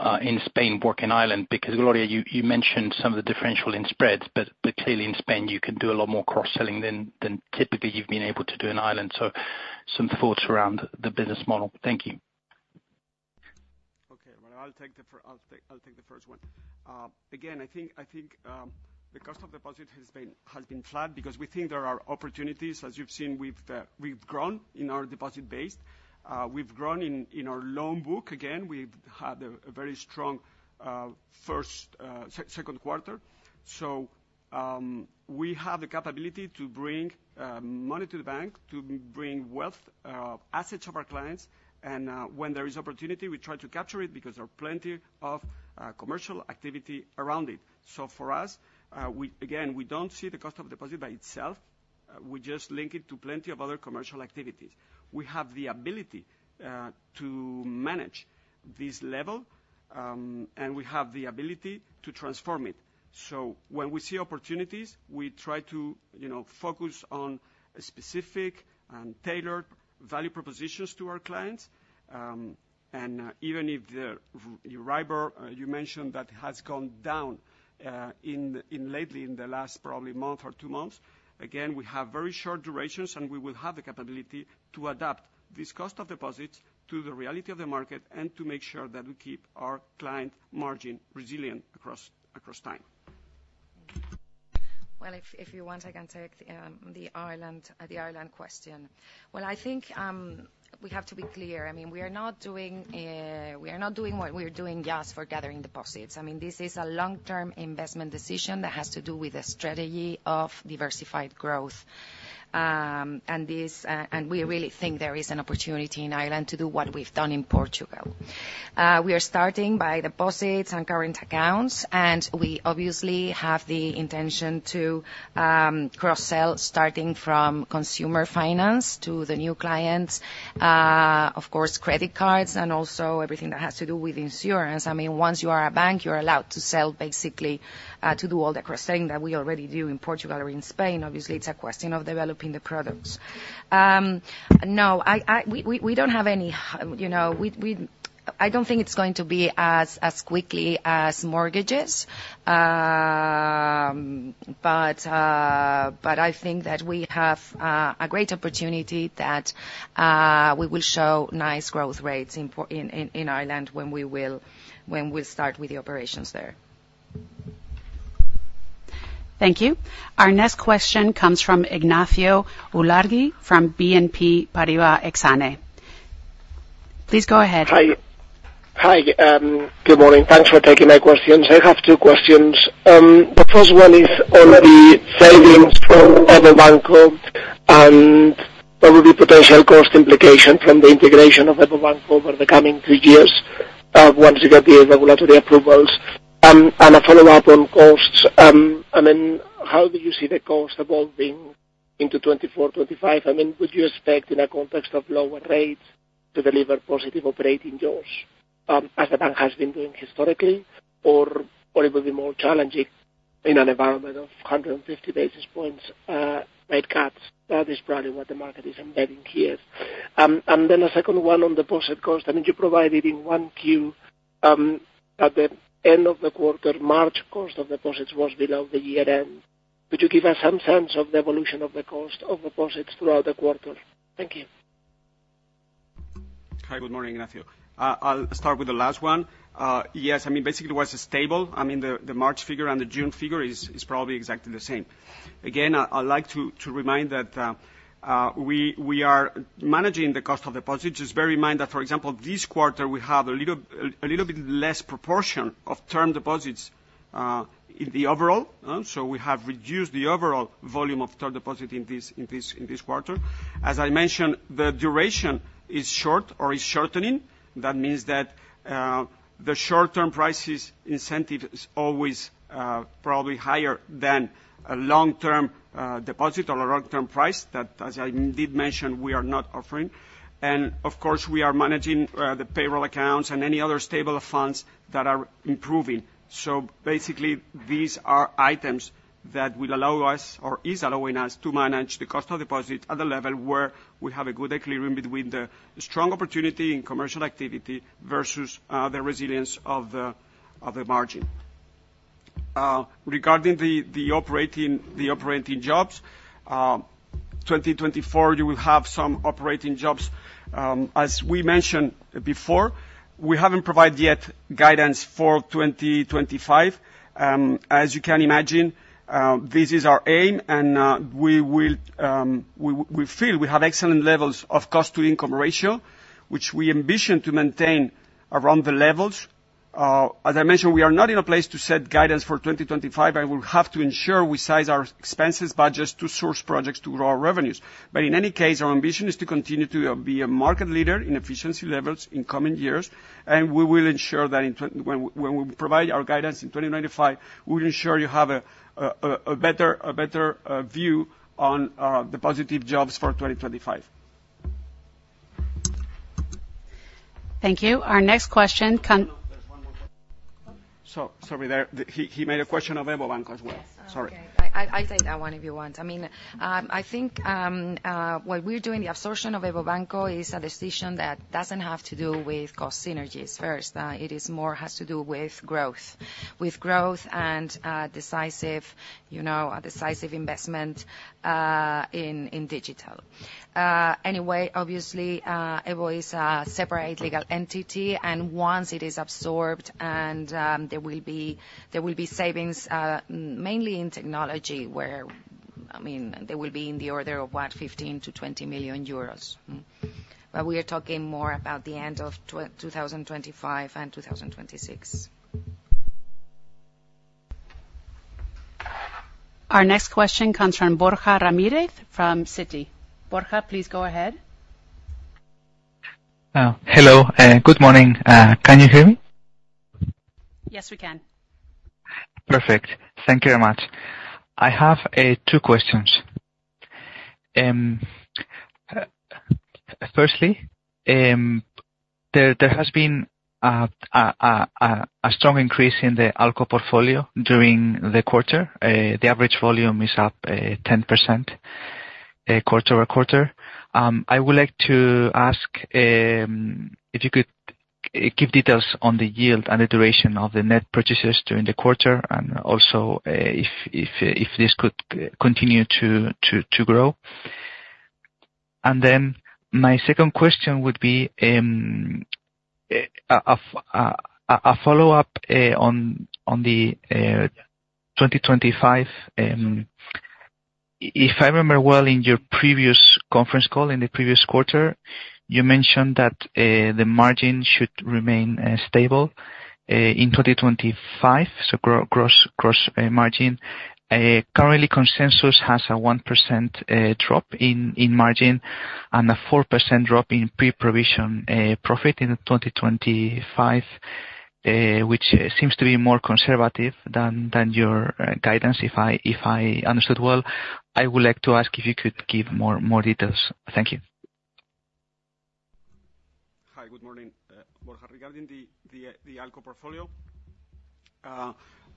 model in Spain work in Ireland? Because Gloria, you mentioned some of the differential in spreads, but clearly in Spain, you can do a lot more cross-selling than typically you've been able to do in Ireland. So some thoughts around the business model. Thank you. Okay. Well, I'll take the first one. Again, I think the cost of deposit has been flat because we think there are opportunities. As you've seen, we've grown in our deposit base. We've grown in our loan book. Again, we've had a very strong second quarter. So, we have the capability to bring money to the bank, to bring wealth assets of our clients, and when there is opportunity, we try to capture it because there are plenty of commercial activity around it. So for us, again, we don't see the cost of deposit by itself. We just link it to plenty of other commercial activities. We have the ability to manage this level, and we have the ability to transform it. So when we see opportunities, we try to, you know, focus on specific and tailored value propositions to our clients. Even if the Euribor you mentioned that has gone down lately, in the last probably month or two months, again, we have very short durations, and we will have the capability to adapt this cost of deposits to the reality of the market and to make sure that we keep our client margin resilient across time. Well, if you want, I can take the Ireland question. Well, I think we have to be clear. I mean, we are not doing what we are doing just for gathering deposits. I mean, this is a long-term investment decision that has to do with the strategy of diversified growth. And we really think there is an opportunity in Ireland to do what we've done in Portugal. We are starting by deposits and current accounts, and we obviously have the intention to cross-sell, starting from consumer finance to the new clients, of course, credit cards and also everything that has to do with insurance. I mean, once you are a bank, you are allowed to sell, basically, to do all the cross-selling that we already do in Portugal or in Spain. Obviously, it's a question of developing the products. No, we don't have any, you know. I don't think it's going to be as quickly as mortgages. But I think that we have a great opportunity that we will show nice growth rates in Ireland when we start with the operations there. Thank you. Our next question comes from Ignacio Ulargui from BNP Paribas Exane. Please go ahead. Hi. Hi, good morning. Thanks for taking my questions. I have two questions. The first one is on the savings from EVO Banco, and what would be potential cost implication from the integration of EVO Banco over the coming two years, once you get the regulatory approvals? And a follow-up on costs. I mean, how do you see the cost evolving into 2024, 2025? I mean, would you expect, in a context of lower rates, to deliver positive operating jaws, as the bank has been doing historically, or it will be more challenging? In an environment of 150 basis points rate cuts, that is probably what the market is embedding here. And then a second one on the deposit cost. I mean, you provided in 1Q, at the end of the quarter, March cost of deposits was below the year-end. Could you give us some sense of the evolution of the cost of deposits throughout the quarter? Thank you. Hi, good morning, Ignacio. I'll start with the last one. Yes, I mean, basically, it was stable. I mean, the March figure and the June figure is probably exactly the same. Again, I'd like to remind that we are managing the cost of deposits. Just bear in mind that, for example, this quarter, we have a little bit less proportion of term deposits in the overall. So we have reduced the overall volume of term deposit in this quarter. As I mentioned, the duration is short or is shortening. That means that the short-term prices incentive is always probably higher than a long-term deposit or a long-term price, that, as I did mention, we are not offering. And of course, we are managing the payroll accounts and any other stable funds that are improving. So basically, these are items that will allow us, or is allowing us, to manage the cost of deposits at a level where we have a good equilibrium between the strong opportunity in commercial activity versus the resilience of the margin. Regarding the operating jaws, 2024, you will have some operating jaws. As we mentioned before, we haven't provided yet guidance for 2025. As you can imagine, this is our aim, and we feel we have excellent levels of cost-to-income ratio, which we ambition to maintain around the levels. As I mentioned, we are not in a place to set guidance for 2025, and we have to ensure we size our expenses budgets to source projects to grow our revenues. But in any case, our ambition is to continue to be a market leader in efficiency levels in coming years, and we will ensure that when we provide our guidance in 2025, we will ensure you have a better view on the positive jaws for 2025. Thank you. Our next question come- So sorry, he made a question of EVO Banco as well. Yes. Sorry. Okay. I take that one if you want. I mean, I think, what we're doing, the absorption of EVO Banco is a decision that doesn't have to do with cost synergies first. It is more has to do with growth, with growth and, decisive, you know, a decisive investment, in digital. Anyway, obviously, EVO is a separate legal entity, and once it is absorbed and, there will be savings, mainly in technology, where, I mean, they will be in the order of what, 15-20 million euros. But we are talking more about the end of 2025 and 2026. Our next question comes from Borja Ramirez, from Citi. Borja, please go ahead. Hello, good morning. Can you hear me? Yes, we can. Perfect. Thank you very much. I have two questions. Firstly, there has been a strong increase in the ALCO portfolio during the quarter. The average volume is up 10%, quarter-over-quarter. I would like to ask if you could give details on the yield and the duration of the net purchases during the quarter, and also if this could continue to grow. And then my second question would be a follow-up on 2025. If I remember well, in your previous conference call, in the previous quarter, you mentioned that the margin should remain stable in 2025, so gross margin. Currently, consensus has a 1% drop in margin and a 4% drop in pre-provision profit in 2025, which seems to be more conservative than your guidance, if I understood well. I would like to ask if you could give more details. Thank you. Hi, good morning. Borja, regarding the ALCO portfolio,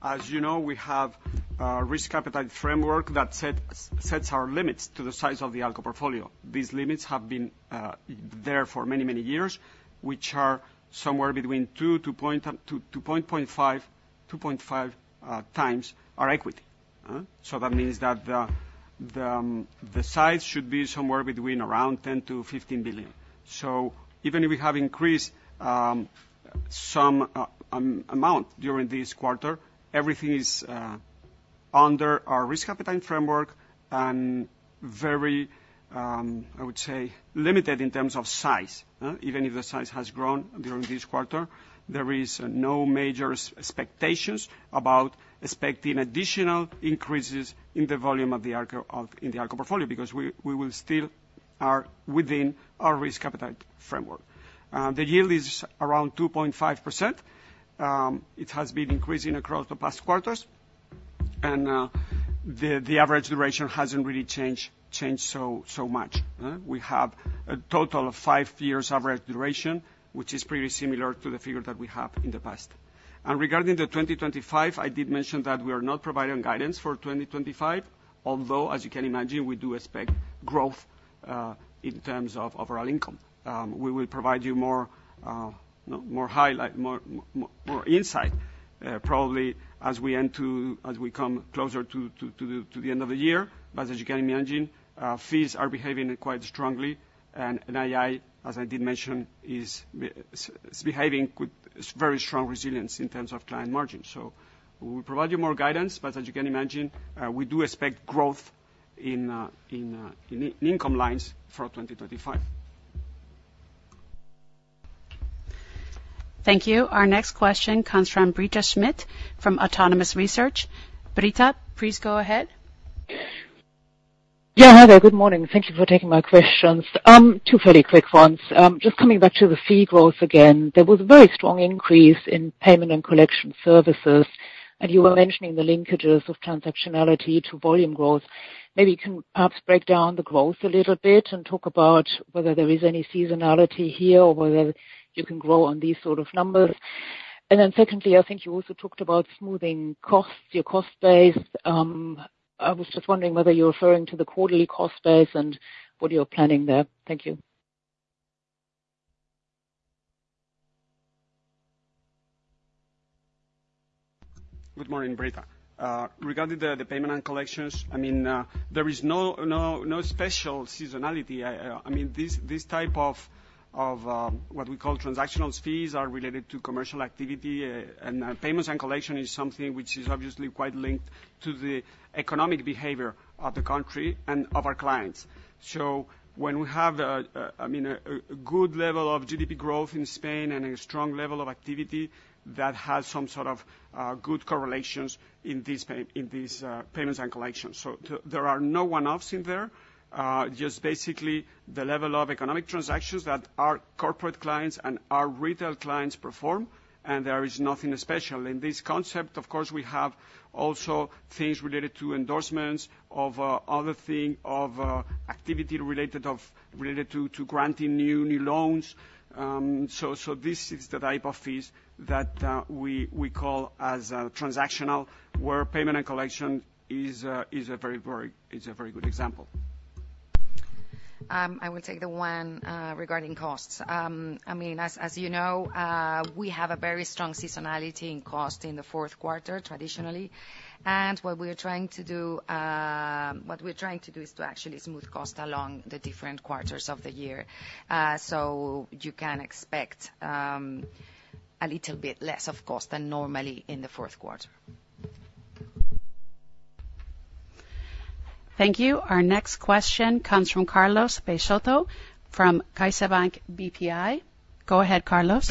as you know, we have a risk appetite framework that sets our limits to the size of the ALCO portfolio. These limits have been there for many, many years, which are somewhere between 2-2.5 times our equity. So that means that the size should be somewhere between around 10 billion-15 billion. So even if we have increased some amount during this quarter, everything is under our risk appetite framework and very, I would say, limited in terms of size. Even if the size has grown during this quarter, there is no major expectations about expecting additional increases in the volume of the ALCO, in the ALCO portfolio, because we will still are within our risk appetite framework. The yield is around 2.5%. It has been increasing across the past quarters, the average duration hasn't really changed much? We have a total of five years average duration, which is pretty similar to the figure that we have in the past. Regarding the 2025, I did mention that we are not providing guidance for 2025, although, as you can imagine, we do expect growth in terms of overall income. We will provide you more insight, probably as we come closer to the end of the year. But as you can imagine, fees are behaving quite strongly, and NII, as I did mention, is behaving good, is very strong resilience in terms of client margin. So we will provide you more guidance, but as you can imagine, we do expect growth in income lines for 2025. Thank you. Our next question comes from Britta Schmidt from Autonomous Research. Britta, please go ahead. Yeah, hi there. Good morning. Thank you for taking my questions. Two fairly quick ones. Just coming back to the fee growth again, there was a very strong increase in payment and collection services, and you were mentioning the linkages of transactionality to volume growth. Maybe you can perhaps break down the growth a little bit and talk about whether there is any seasonality here or whether you can grow on these sort of numbers. And then secondly, I think you also talked about smoothing costs, your cost base. I was just wondering whether you're referring to the quarterly cost base and what you're planning there. Thank you. Good morning, Britta. Regarding the payment and collections, I mean, there is no special seasonality. I mean, this type of what we call transactional fees are related to commercial activity, and payments and collection is something which is obviously quite linked to the economic behavior of the country and of our clients. So when we have, I mean, a good level of GDP growth in Spain and a strong level of activity, that has some sort of good correlations in these payments and collections. So there are no one-offs in there, just basically the level of economic transactions that our corporate clients and our retail clients perform, and there is nothing special. In this concept, of course, we have also things related to endorsements, of other thing, of activity related to granting new loans. So, this is the type of fees that we call as transactional, where payment and collection is a very good example. I will take the one regarding costs. I mean, as you know, we have a very strong seasonality in cost in the fourth quarter, traditionally. What we are trying to do is to actually smooth cost along the different quarters of the year. So you can expect a little bit less of cost than normally in the fourth quarter. Thank you. Our next question comes from Carlos Peixoto, from CaixaBank BPI. Go ahead, Carlos.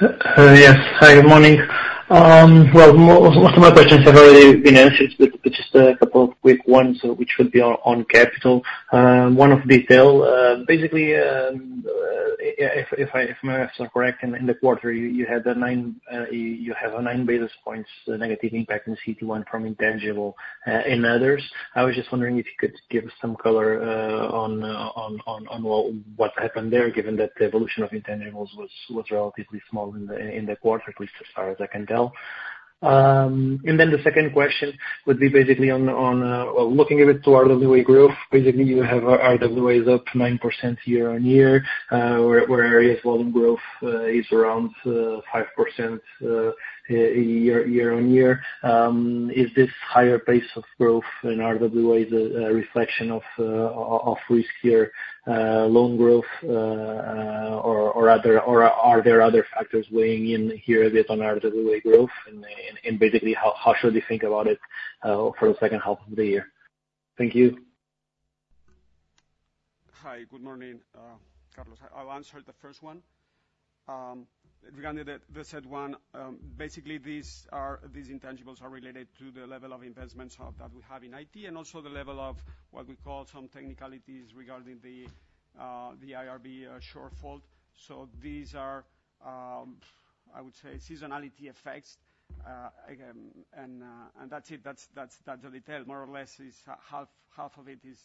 Yes, hi, good morning. Well, most of my questions have already been answered, but just a couple of quick ones, which would be on capital. One of detail. Basically, if my math is correct, in the quarter, you had a nine, you have a nine basis points negative impact in CET1 from intangibles in others. I was just wondering if you could give some color on what happened there, given that the evolution of intangibles was relatively small in the quarter, at least as far as I can tell. And then the second question would be basically on, well, looking a bit to RWA growth. Basically, you have RWA is up 9% year-on-year, whereas volume growth is around 5% year-on-year. Is this higher pace of growth in RWA a reflection of riskier loan growth? Or are there other factors weighing in here a bit on RWA growth? And basically, how should we think about it for the second half of the year? Thank you. Hi, good morning, Carlos. I'll answer the first one. Regarding the CET1, basically, these are these intangibles are related to the level of investments that we have in IT, and also the level of what we call some technicalities regarding the IRB shortfall. So these are, I would say, seasonality effects. Again, and that's it. That's the detail, more or less, is half, half of it is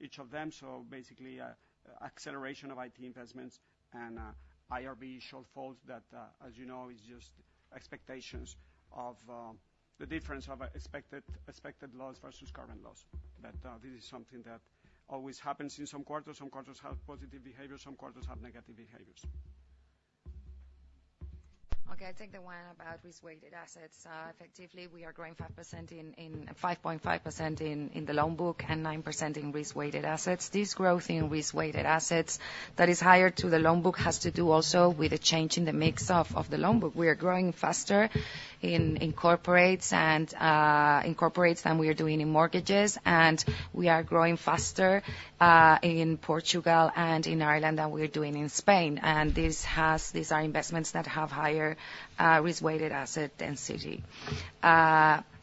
each of them. So basically, acceleration of IT investments and IRB shortfalls that, as you know, is just expectations of the difference of expected loss versus current loss. But this is something that always happens in some quarters. Some quarters have positive behavior, some quarters have negative behaviors. Okay, I take the one about risk-weighted assets. Effectively, we are growing 5% in the loan book and 5.5% in risk-weighted assets. This growth in risk-weighted assets that is higher than the loan book has to do also with the change in the mix of the loan book. We are growing faster in corporates than we are doing in mortgages, and we are growing faster in Portugal and in Ireland than we're doing in Spain. And these are investments that have higher risk-weighted asset density.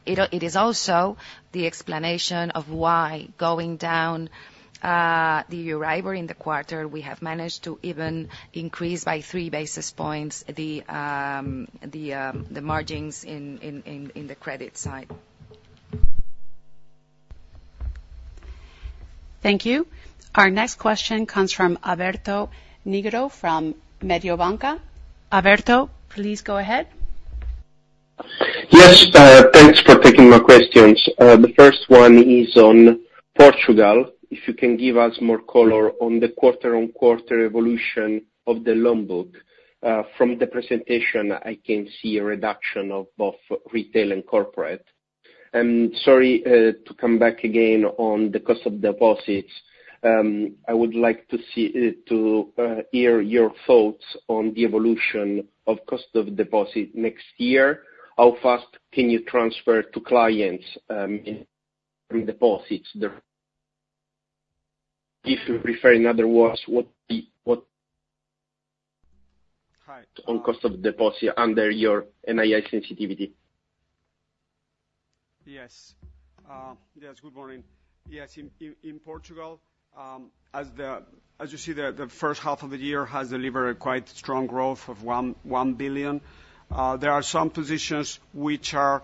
It is also the explanation of why going down the RWA in the quarter, we have managed to even increase by three basis points, the margins in the credit side. Thank you. Our next question comes from Alberto Nigro, from Mediobanca. Alberto, please go ahead. Yes, thanks for taking my questions. The first one is on Portugal. If you can give us more color on the quarter-on-quarter evolution of the loan book. From the presentation, I can see a reduction of both retail and corporate. Sorry to come back again on the cost of deposits. I would like to hear your thoughts on the evolution of the cost of deposits next year. How fast can you transfer to clients in deposits the...? If you prefer, in other words, what the, what- Hi. On cost of deposit under your NII sensitivity. Yes. Yes, good morning. Yes, in Portugal, as you see, the first half of the year has delivered quite strong growth of 1 billion. There are some positions which are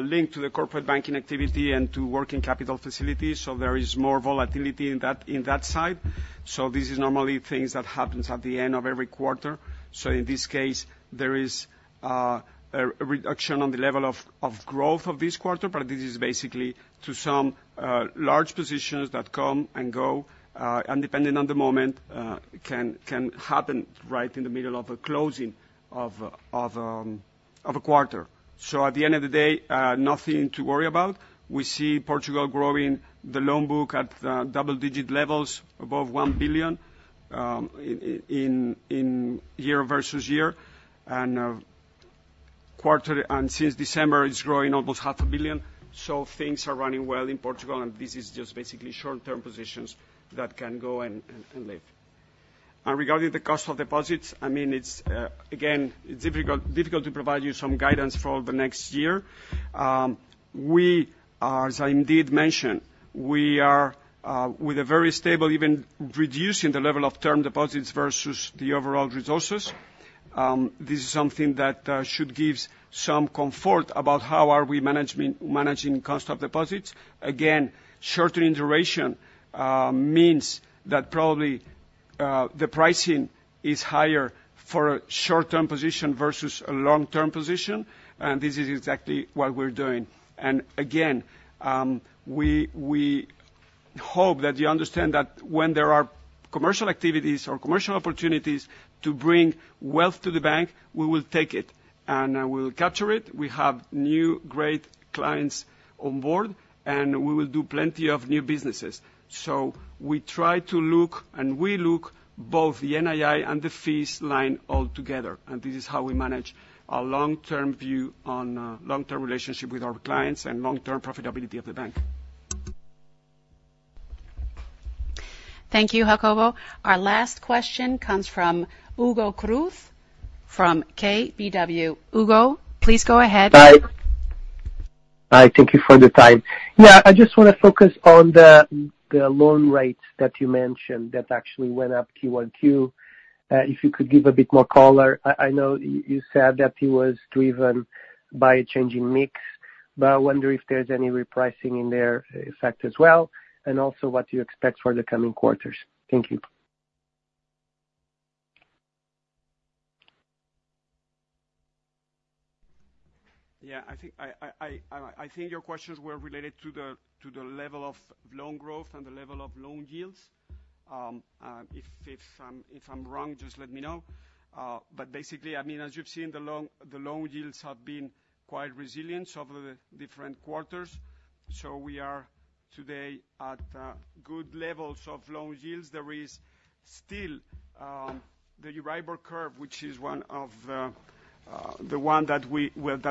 linked to the corporate banking activity and to working capital facilities, so there is more volatility in that side. So this is normally things that happens at the end of every quarter. So in this case, there is a reduction on the level of growth of this quarter, but this is basically to some large positions that come and go, and depending on the moment, can happen right in the middle of a closing of a quarter. So at the end of the day, nothing to worry about. We see Portugal growing the loan book at double digit levels above 1 billion in year-over-year. And quarter-over-quarter, and since December, it's growing almost 500 million. So things are running well in Portugal, and this is just basically short-term positions that can go and leave. And regarding the cost of deposits, I mean, it's again, it's difficult to provide you some guidance for the next year. We are, as I indeed mentioned, we are with a very stable, even reducing the level of term deposits versus the overall resources. This is something that should give some comfort about how are we managing cost of deposits. Again, shortening duration means that probably the pricing is higher for a short-term position versus a long-term position, and this is exactly what we're doing. Again, we hope that you understand that when there are commercial activities or commercial opportunities to bring wealth to the bank, we will take it, and we will capture it. We have new, great clients on board, and we will do plenty of new businesses. So we try to look, and we look both the NII and the fees line all together, and this is how we manage our long-term view on long-term relationship with our clients and long-term profitability of the bank. Thank you, Jacobo. Our last question comes from Hugo Cruz, from KBW. Hugo, please go ahead. Hi. Hi, thank you for the time. Yeah, I just wanna focus on the loan rates that you mentioned, that actually went up Q1Q. If you could give a bit more color. I know you said that it was driven by a changing mix, but I wonder if there's any repricing in there, effect as well, and also what you expect for the coming quarters. Thank you. Yeah, I think your questions were related to the level of loan growth and the level of loan yields. If I'm wrong, just let me know. But basically, I mean, as you've seen, the loan yields have been quite resilient over the different quarters, so we are today at good levels of loan yields. There is still the Euribor curve, which is one of the ones that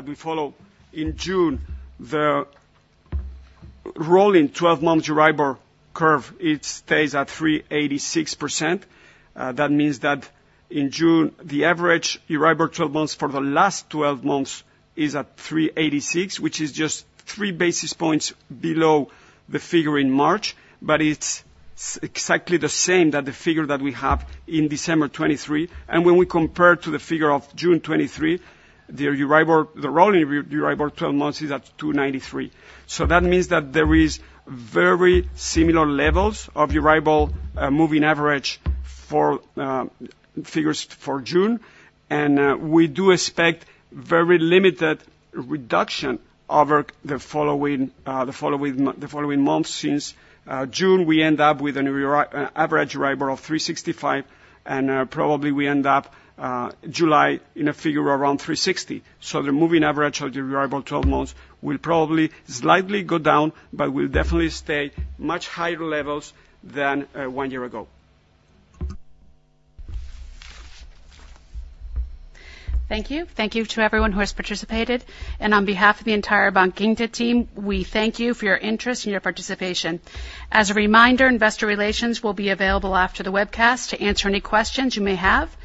we follow. In June, the rolling 12-month Euribor curve, it stays at 3.86%. That means that in June, the average Euribor 12 months for the last 12 months is at 3.86, which is just 3 basis points below the figure in March, but it's exactly the same as the figure that we have in December 2023. When we compare to the figure of June 2023, the Euribor, the rolling Euribor 12 months is at 2.93. So that means that there is very similar levels of Euribor, moving average for figures for June. And we do expect very limited reduction over the following months, since June, we end up with an Euribor, an average Euribor of 3.65, and probably we end up July in a figure around 3.60. So the moving average of the Euribor 12 months will probably slightly go down, but will definitely stay much higher levels than one year ago. Thank you. Thank you to everyone who has participated, and on behalf of the entire Bankinter team, we thank you for your interest and your participation. As a reminder, Investor Relations will be available after the webcast to answer any questions you may have.